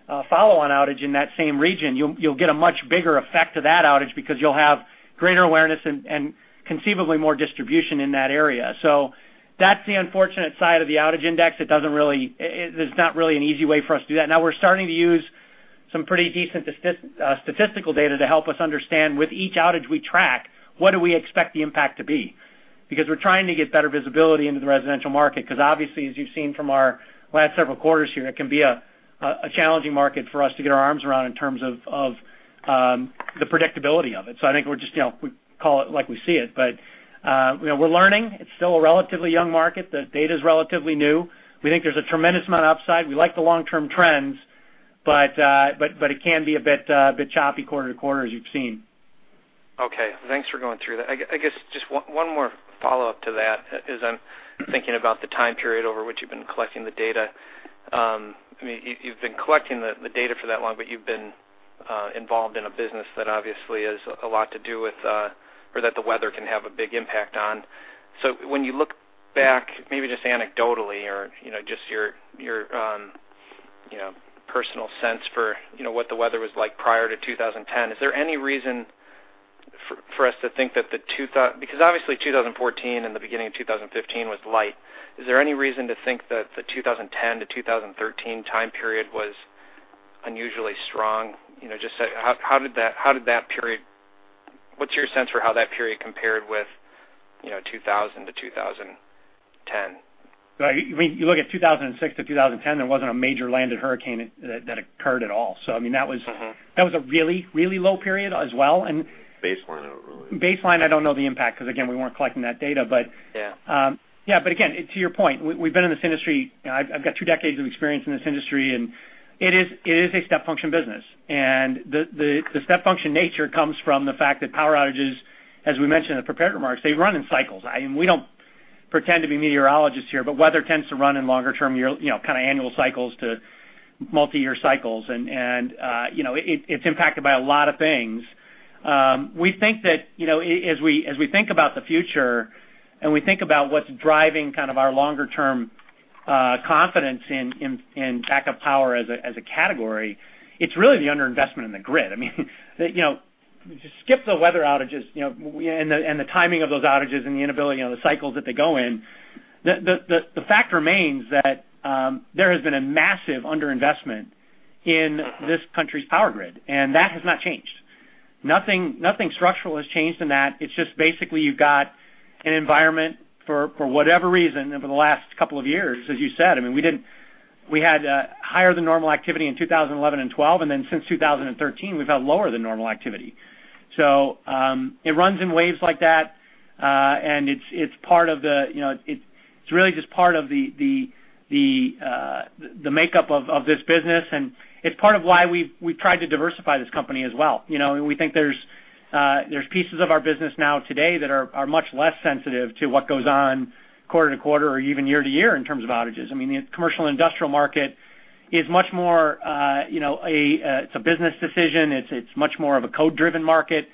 a follow-on outage in that same region, you'll get a much bigger effect of that outage because you'll have greater awareness and conceivably more distribution in that area. That's the unfortunate side of the outage index. There's not really an easy way for us to do that. Now we're starting to use some pretty decent statistical data to help us understand with each outage we track, what do we expect the impact to be? We're trying to get better visibility into the residential market, because obviously, as you've seen from our last several quarters here, it can be a challenging market for us to get our arms around in terms of the predictability of it. I think we call it like we see it, but we're learning. It's still a relatively young market. The data's relatively new. We think there's a tremendous amount of upside. We like the long-term trends, but it can be a bit choppy quarter-to-quarter, as you've seen. Okay. Thanks for going through that. I guess just one more follow-up to that, as I'm thinking about the time period over which you've been collecting the data. You've been collecting the data for that long, but you've been involved in a business that obviously has a lot to do with, or that the weather can have a big impact on. When you look back, maybe just anecdotally or just your personal sense for what the weather was like prior to 2010, is there any reason for us to think that because obviously 2014 and the beginning of 2015 was light. Is there any reason to think that the 2010-2013 time period was unusually strong? What's your sense for how that period compared with 2000-2010? You look at 2006-2010, there wasn't a major landed hurricane that occurred at all. That was a really low period as well. Baseline, I don't really know. baseline, I don't know the impact, because, again, we weren't collecting that data. Yeah yeah. Again, to your point, we've been in this industry, I've got two decades of experience in this industry, and it is a step function business. The step function nature comes from the fact that power outages, as we mentioned in the prepared remarks, they run in cycles. We don't pretend to be meteorologists here, weather tends to run in longer-term kind of annual cycles to multi-year cycles, and it's impacted by a lot of things. We think that, as we think about the future and we think about what's driving kind of our longer-term confidence in backup power as a category, it's really the under-investment in the grid. To skip the weather outages, the timing of those outages and the inability, the cycles that they go in, the fact remains that there has been a massive under-investment in this country's power grid, that has not changed. Nothing structural has changed in that. It's just basically you've got an environment for whatever reason, for the last couple of years, as you said, we had higher than normal activity in 2011 and 2012, since 2013, we've had lower than normal activity. It runs in waves like that, it's really just part of the makeup of this business, it's part of why we've tried to diversify this company as well. We think there's pieces of our business now today that are much less sensitive to what goes on quarter-to-quarter or even year-to-year in terms of outages. The commercial industrial market is much more a business decision. It's much more of a code-driven market.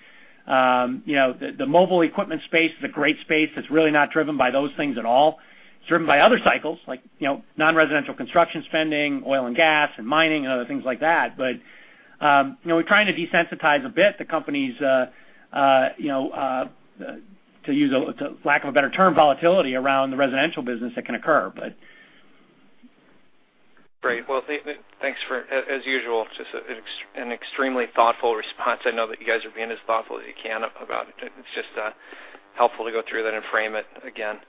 The mobile equipment space is a great space that's really not driven by those things at all. It's driven by other cycles, like non-residential construction spending, oil and gas, mining, and other things like that. We're trying to desensitize a bit the company's, to use a, for lack of a better term, volatility around the residential business that can occur. Thanks for, as usual, just an extremely thoughtful response. I know that you guys are being as thoughtful as you can about it. It's just helpful to go through that and frame it again.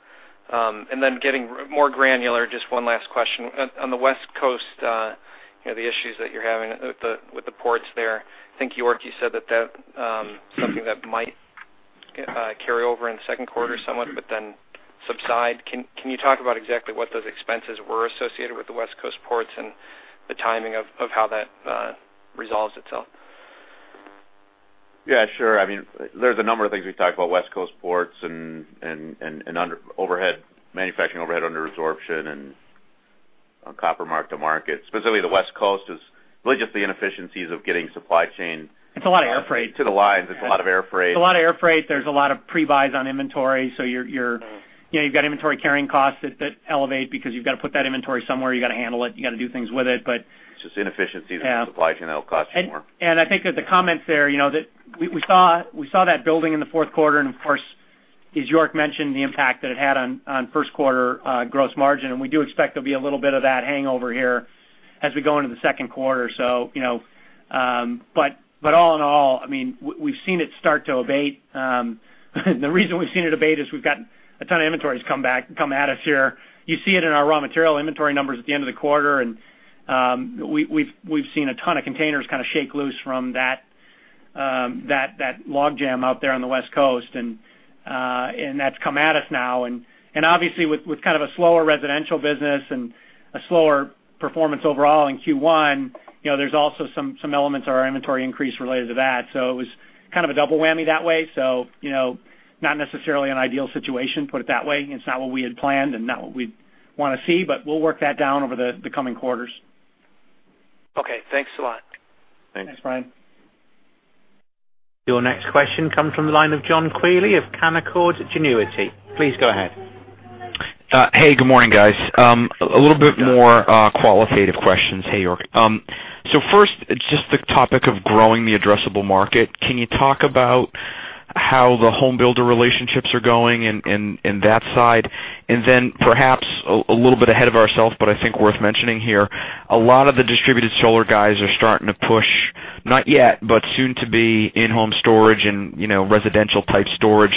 Getting more granular, just one last question. On the West Coast, the issues that you're having with the ports there, I think, York, you said that something that might carry over in the second quarter somewhat, but then subside. Can you talk about exactly what those expenses were associated with the West Coast ports and the timing of how that resolves itself? Yeah, sure. There's a number of things we talked about, West Coast ports and manufacturing overhead under absorption and copper mark-to-market. Specifically, the West Coast is really just the inefficiencies of getting supply chain. It's a lot of air freight. To the lines. It's a lot of air freight. It's a lot of air freight. There's a lot of pre-buys on inventory. You've got inventory carrying costs that elevate because you've got to put that inventory somewhere, you got to handle it, you got to do things with it. It's just inefficiencies in the supply chain that'll cost you more. I think that the comments there, that we saw that building in the fourth quarter, of course, as York mentioned, the impact that it had on first quarter gross margin, we do expect there'll be a little bit of that hangover here as we go into the second quarter. All in all, we've seen it start to abate. The reason we've seen it abate is we've got a ton of inventories come at us here. You see it in our raw material inventory numbers at the end of the quarter, and we've seen a ton of containers kind of shake loose from that logjam out there on the West Coast, and that's come at us now. Obviously with kind of a slower residential business and a slower performance overall in Q1, there's also some elements of our inventory increase related to that. It was kind of a double whammy that way. Not necessarily an ideal situation, put it that way. It's not what we had planned and not what we'd want to see, we'll work that down over the coming quarters. Okay, thanks a lot. Thanks. Thanks, Brian. Your next question comes from the line of John Quealy of Canaccord Genuity. Please go ahead. Hey, good morning, guys. A little bit more qualitative questions. Hey, York. 1st, just the topic of growing the addressable market. Can you talk about how the home builder relationships are going in that side? And then perhaps a little bit ahead of ourselves, but I think worth mentioning here, a lot of the distributed solar guys are starting to push, not yet, but soon to be in-home storage and residential-type storage.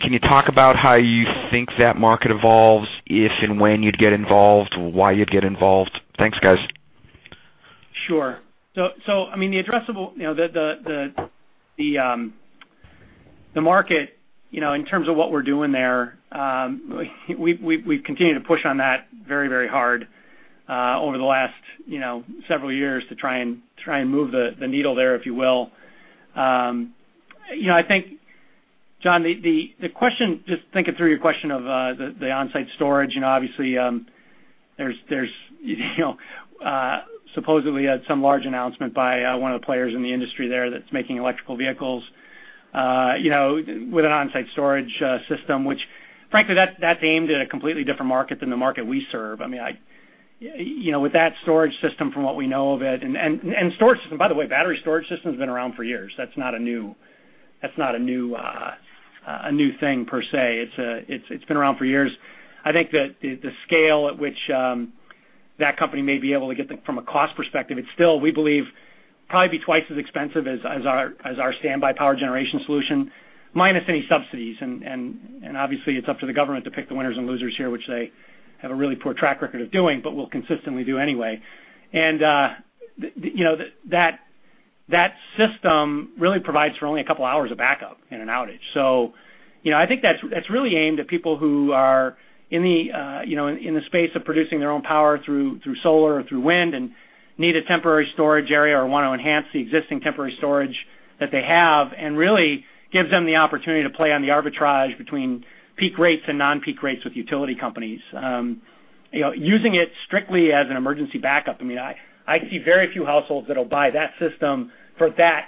Can you talk about how you think that market evolves, if and when you'd get involved, why you'd get involved? Thanks, guys. Sure. The addressable market, in terms of what we're doing there, we've continued to push on that very hard over the last several years to try and move the needle there, if you will. I think, John, just thinking through your question of the on-site storage, obviously, there's supposedly some large announcement by one of the players in the industry there that's making electrical vehicles with an on-site storage system, which frankly, that's aimed at a completely different market than the market we serve. With that storage system, from what we know of it, and storage system, by the way, battery storage system's been around for years. That's not a new thing per se. It's been around for years. I think that the scale at which that company may be able to get that from a cost perspective, it's still, we believe, probably be twice as expensive as our standby power generation solution, minus any subsidies. Obviously, it's up to the government to pick the winners and losers here, which they have a really poor track record of doing, but will consistently do anyway. That system really provides for only a couple hours of backup in an outage. I think that's really aimed at people who are in the space of producing their own power through solar or through wind and need a temporary storage area or want to enhance the existing temporary storage that they have and really gives them the opportunity to play on the arbitrage between peak rates and non-peak rates with utility companies. Using it strictly as an emergency backup, I see very few households that'll buy that system for that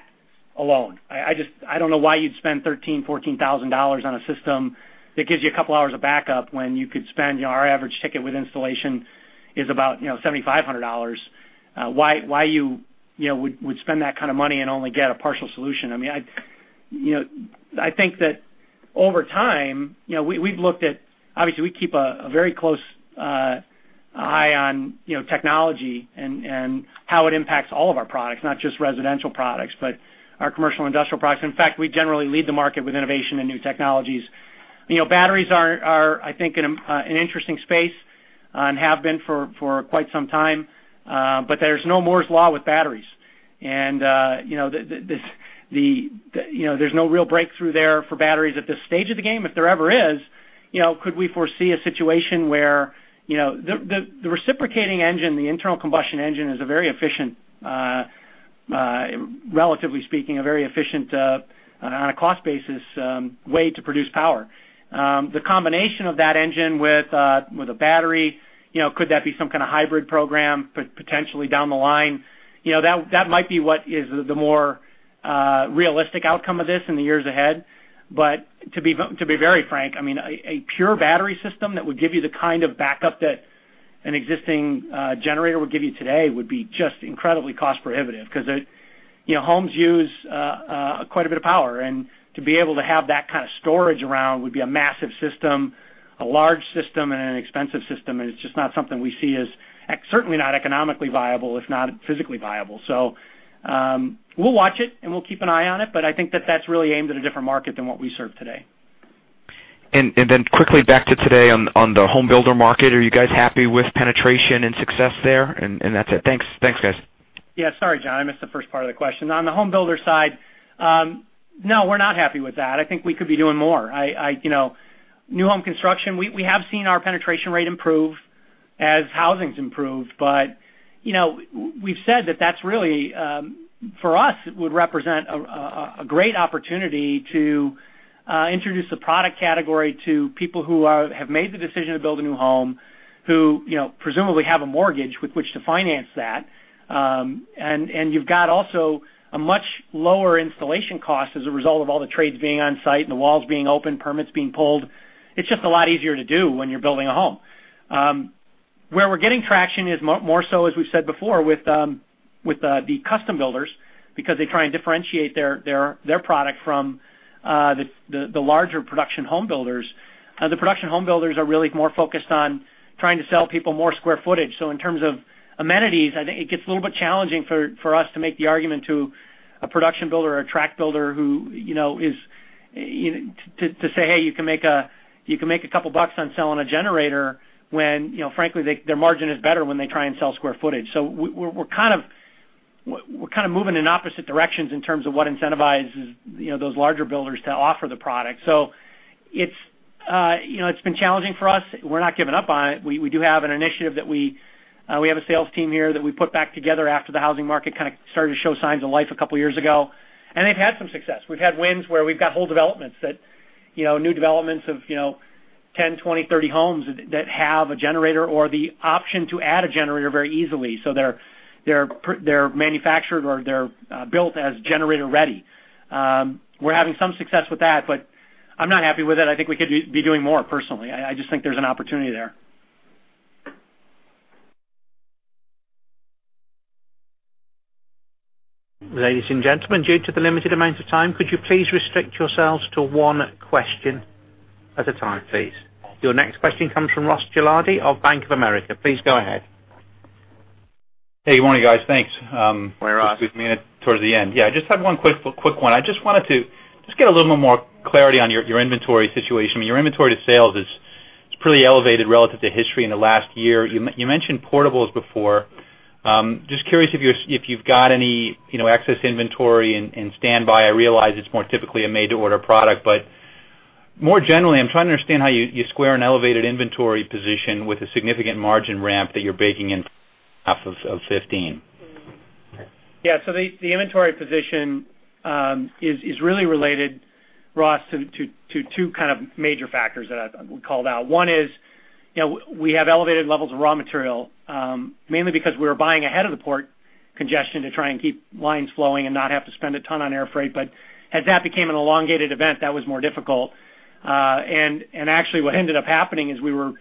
alone. I don't know why you'd spend $13,000, $14,000 on a system that gives you a couple hours of backup when you could spend, our average ticket with installation is about $7,500. Why you would spend that kind of money and only get a partial solution? I think that over time, we've looked at, obviously, we keep a very close eye on technology and how it impacts all of our products, not just residential products, but our commercial industrial products. In fact, we generally lead the market with innovation and new technologies. Batteries are, I think, in an interesting space and have been for quite some time. There's no Moore's law with batteries. There's no real breakthrough there for batteries at this stage of the game. If there ever is, could we foresee a situation where the reciprocating engine, the internal combustion engine is a very efficient, relatively speaking, a very efficient, on a cost basis, way to produce power. The combination of that engine with a battery, could that be some kind of hybrid program potentially down the line? That might be what is the more realistic outcome of this in the years ahead. To be very frank, a pure battery system that would give you the kind of backup that an existing generator would give you today would be just incredibly cost prohibitive because homes use quite a bit of power, and to be able to have that kind of storage around would be a massive system, a large system, and an expensive system, and it's just not something we see as certainly not economically viable, if not physically viable. We'll watch it and we'll keep an eye on it, but I think that that's really aimed at a different market than what we serve today. Quickly back to today on the home builder market. Are you guys happy with penetration and success there? That's it. Thanks. Thanks, guys. Sorry, John, I missed the 1st part of the question. On the home builder side, no, we're not happy with that. I think we could be doing more. New home construction, we have seen our penetration rate improve as housing's improved, but we've said that that's really, for us, it would represent a great opportunity to introduce the product category to people who have made the decision to build a new home, who presumably have a mortgage with which to finance that. You've got also a much lower installation cost as a result of all the trades being on site and the walls being open, permits being pulled. It's just a lot easier to do when you're building a home. Where we're getting traction is more so, as we've said before, with the custom builders because they try and differentiate their product from the larger production home builders. The production home builders are really more focused on trying to sell people more square footage. In terms of amenities, I think it gets a little bit challenging for us to make the argument to a production builder or a track builder to say, "Hey, you can make a couple bucks on selling a generator" when frankly, their margin is better when they try and sell square footage. We're kind of moving in opposite directions in terms of what incentivizes those larger builders to offer the product. It's been challenging for us. We're not giving up on it. We do have an initiative that we have a sales team here that we put back together after the housing market kind of started to show signs of life a couple of years ago, and they've had some success. We've had wins where we've got whole developments, new developments of 10, 20, 30 homes that have a generator or the option to add a generator very easily. They're manufactured or they're built as generator-ready. We're having some success with that, but I'm not happy with it. I think we could be doing more, personally. I just think there's an opportunity there. Ladies and gentlemen, due to the limited amount of time, could you please restrict yourselves to one question at a time, please. Your next question comes from Ross Gilardi of Bank of America. Please go ahead. Hey, good morning, guys. Thanks. Good morning, Ross. I just have one quick one. I just wanted to get a little bit more clarity on your inventory situation. Your inventory to sales is pretty elevated relative to history in the last year. You mentioned portables before. Just curious if you've got any excess inventory in standby. I realize it's more typically a made-to-order product, but more generally, I'm trying to understand how you square an elevated inventory position with a significant margin ramp that you're baking in half of 2015. The inventory position is really related, Ross, to two kind of major factors that I would call out. One is we have elevated levels of raw material, mainly because we were buying ahead of the port congestion to try and keep lines flowing and not have to spend a ton on air freight. As that became an elongated event, that was more difficult. Actually, what ended up happening is we were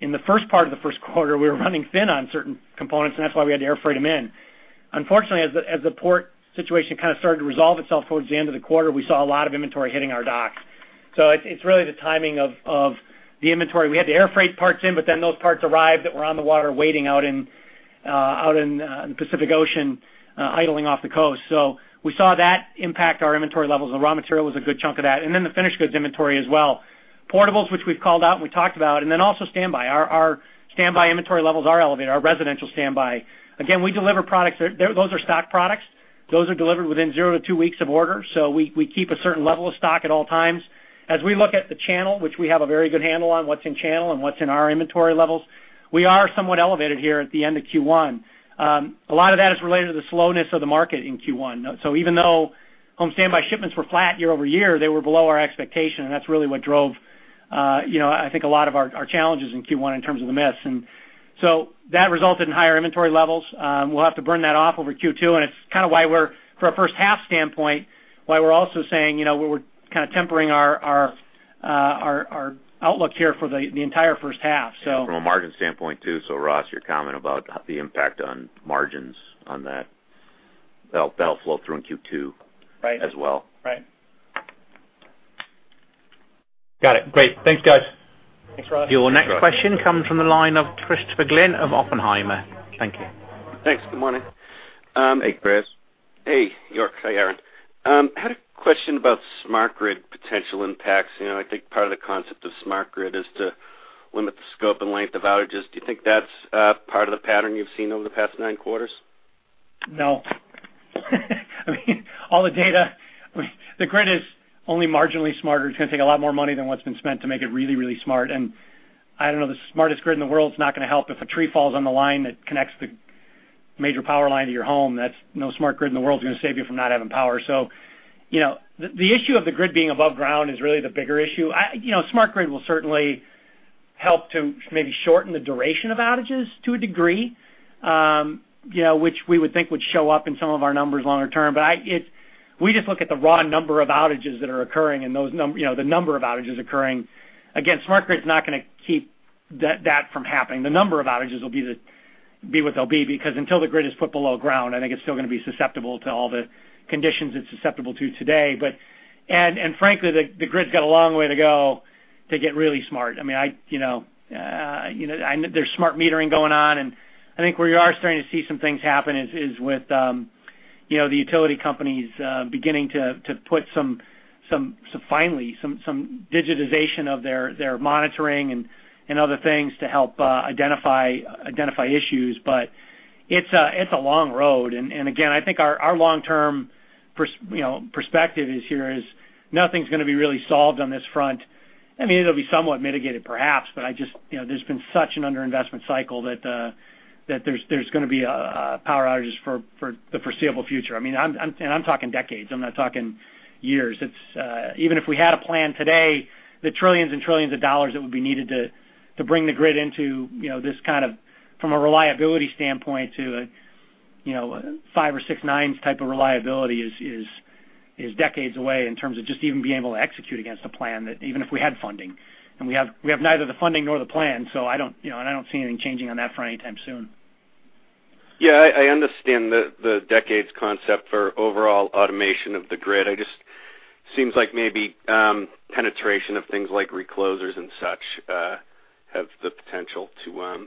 in the 1st part of the first quarter, we were running thin on certain components, and that's why we had to air freight them in. Unfortunately, as the port situation kind of started to resolve itself towards the end of the quarter, we saw a lot of inventory hitting our docks. It's really the timing of the inventory. We had the air freight parts in, those parts arrived that were on the water waiting out in the Pacific Ocean, idling off the coast. We saw that impact our inventory levels, and raw material was a good chunk of that, and the finished goods inventory as well. Portables, which we've called out and we talked about, also standby. Our standby inventory levels are elevated, our residential standby. Again, we deliver products. Those are stock products. Those are delivered within zero to two weeks of order, so we keep a certain level of stock at all times. As we look at the channel, which we have a very good handle on what's in channel and what's in our inventory levels, we are somewhat elevated here at the end of Q1. A lot of that is related to the slowness of the market in Q1. Even though home standby shipments were flat year-over-year, they were below our expectation, and that's really what drove I think a lot of our challenges in Q1 in terms of the miss. That resulted in higher inventory levels. We'll have to burn that off over Q2, and it's kind of why we're, from a first-half standpoint, why we're also saying we're kind of tempering our outlook here for the entire first-half. From a margin standpoint, too. Ross, your comment about the impact on margins on that'll flow through in Q2- Right as well. Right. Got it. Great. Thanks, guys. Thanks, Ross. Your next question comes from the line of Christopher Glynn of Oppenheimer. Thank you. Thanks. Good morning. Hey, Chris. Hey, York. Hi, Aaron. Had a question about smart grid potential impacts. I think part of the concept of smart grid is to limit the scope and length of outages. Do you think that's part of the pattern you've seen over the past nine quarters? No. I mean, all the data. The grid is only marginally smarter. It's going to take a lot more money than what's been spent to make it really, really smart. I don't know, the smartest grid in the world is not going to help if a tree falls on the line that connects the major power line to your home. No smart grid in the world is going to save you from not having power. The issue of the grid being above ground is really the bigger issue. Smart grid will certainly help to maybe shorten the duration of outages to a degree, which we would think would show up in some of our numbers longer term. We just look at the raw number of outages that are occurring and the number of outages occurring. Again, smart grid is not going to keep that from happening. The number of outages will be what they'll be, because until the grid is put below ground, I think it's still going to be susceptible to all the conditions it's susceptible to today. Frankly, the grid's got a long way to go to get really smart. There's smart metering going on, and I think where you are starting to see some things happen is with the utility companies beginning to put finally some digitization of their monitoring and other things to help identify issues. It's a long road, and again, I think our long-term perspective here is nothing's going to be really solved on this front. It'll be somewhat mitigated, perhaps, but there's been such an under-investment cycle that there's going to be power outages for the foreseeable future. I'm talking decades, I'm not talking years. Even if we had a plan today, the trillions and trillions of dollars that would be needed to bring the grid into this kind of, from a reliability standpoint, to a five or six nines type of reliability is decades away in terms of just even being able to execute against a plan, even if we had funding. We have neither the funding nor the plan, and I don't see anything changing on that front anytime soon. I understand the decades concept for overall automation of the grid. It just seems like maybe penetration of things like reclosers and such have the potential to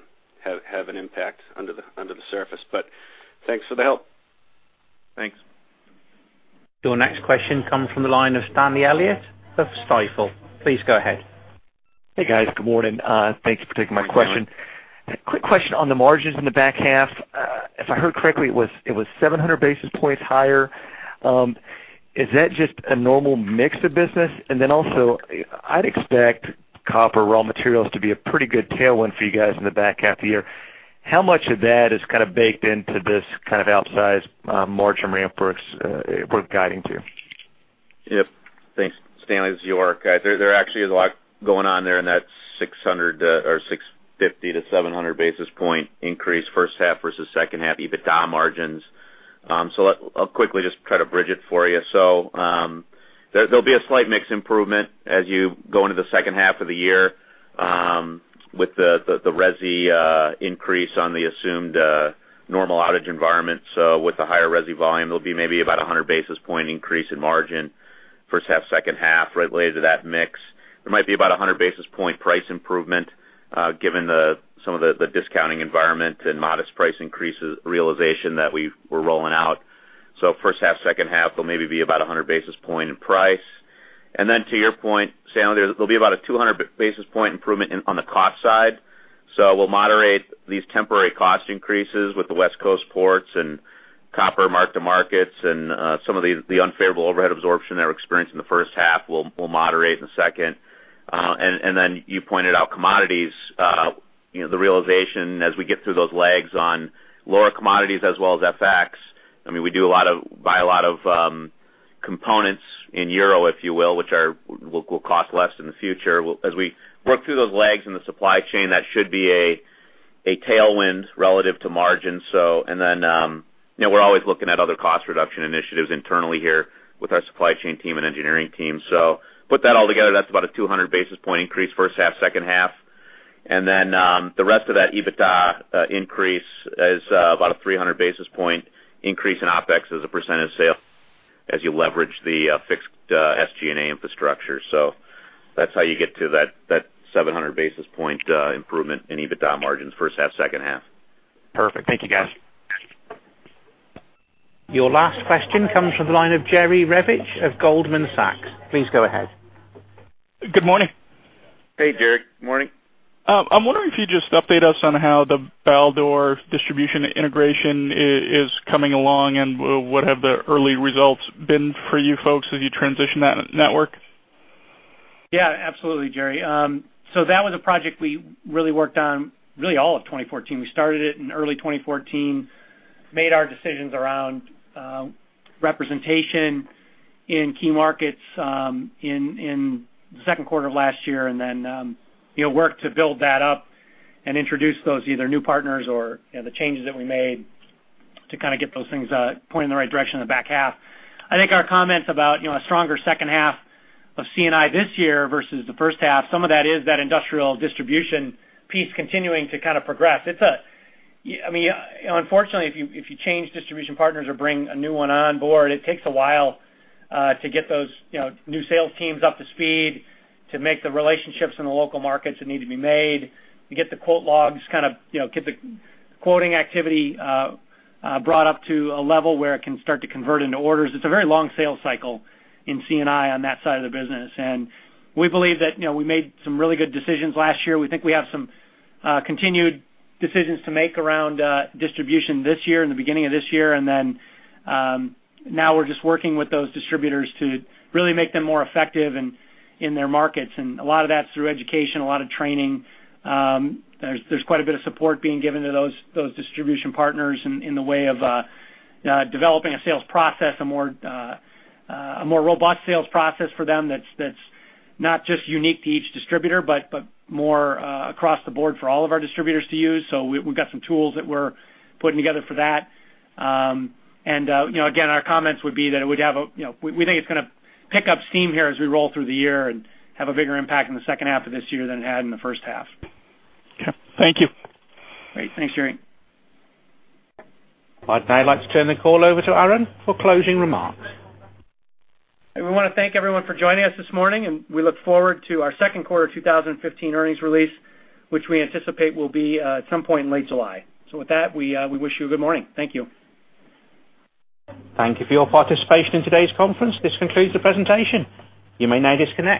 have an impact under the surface. Thanks for the help. Thanks. Your next question comes from the line of Stanley Elliott of Stifel. Please go ahead. Hey, guys. Good morning. Thanks for taking my question. Hi, Stanley. Quick question on the margins in the back half. If I heard correctly, it was 700 basis points higher. Is that just a normal mix of business? Also, I'd expect copper raw materials to be a pretty good tailwind for you guys in the back half of the year. How much of that is baked into this kind of outsized margin ramp we're guiding to? Yep. Thanks, Stanley. This is York. There actually is a lot going on there in that 600 or 650-700 basis point increase first half versus second half EBITDA margins. I'll quickly just try to bridge it for you. There'll be a slight mix improvement as you go into the second half of the year with the Resi increase on the assumed normal outage environment. With the higher resi volume, there'll be maybe about 100 basis point increase in margin first half, second half related to that mix. There might be about 100 basis point price improvement, given some of the discounting environment and modest price increases realization that we're rolling out. First half, second half will maybe be about 100 basis point in price. To your point, Stanley, there'll be about a 200 basis point improvement on the cost side. We'll moderate these temporary cost increases with the West Coast ports and copper mark-to-markets and some of the unfavorable overhead absorption that we're experiencing in the first half, we'll moderate in the second. You pointed out commodities. The realization as we get through those lags on lower commodities as well as FX. We buy a lot of components in euro, if you will, which will cost less in the future. As we work through those lags in the supply chain, that should be a tailwind relative to margin. We're always looking at other cost reduction initiatives internally here with our supply chain team and engineering team. Put that all together, that's about a 200 basis point increase first half, second half. The rest of that EBITDA increase is about a 300 basis point increase in OpEx as a percentage of sale as you leverage the fixed SG&A infrastructure. That's how you get to that 700 basis point improvement in EBITDA margins first half, second half. Perfect. Thank you, guys. Your last question comes from the line of Jerry Revich of Goldman Sachs. Please go ahead. Good morning. Hey, Jerry. Good morning. I'm wondering if you'd just update us on how the Baldor distribution integration is coming along, and what have the early results been for you folks as you transition that network? Yeah, absolutely, Jerry. That was a project we really worked on really all of 2014. We started it in early 2014, made our decisions around representation in key markets in the second quarter of last year, and then worked to build that up and introduce those either new partners or the changes that we made to kind of get those things pointing in the right direction in the back half. I think our comments about a stronger second half of C&I this year versus the first half, some of that is that industrial distribution piece continuing to kind of progress. Unfortunately, if you change distribution partners or bring a new one on board, it takes a while to get those new sales teams up to speed, to make the relationships in the local markets that need to be made, to get the quote logs, get the quoting activity brought up to a level where it can start to convert into orders. It's a very long sales cycle in C&I on that side of the business. We believe that we made some really good decisions last year. We think we have some continued decisions to make around distribution this year, in the beginning of this year, now we're just working with those distributors to really make them more effective in their markets. A lot of that's through education, a lot of training. There's quite a bit of support being given to those distribution partners in the way of developing a sales process, a more robust sales process for them that's not just unique to each distributor, but more across the board for all of our distributors to use. We've got some tools that we're putting together for that. Again, our comments would be that we think it's going to pick up steam here as we roll through the year and have a bigger impact in the second half of this year than it had in the first half. Okay. Thank you. Great. Thanks, Jerry. I'd now like to turn the call over to Aaron for closing remarks. We want to thank everyone for joining us this morning, we look forward to our second quarter 2015 earnings release, which we anticipate will be at some point in late July. With that, we wish you a good morning. Thank you. Thank you for your participation in today's conference. This concludes the presentation. You may now disconnect.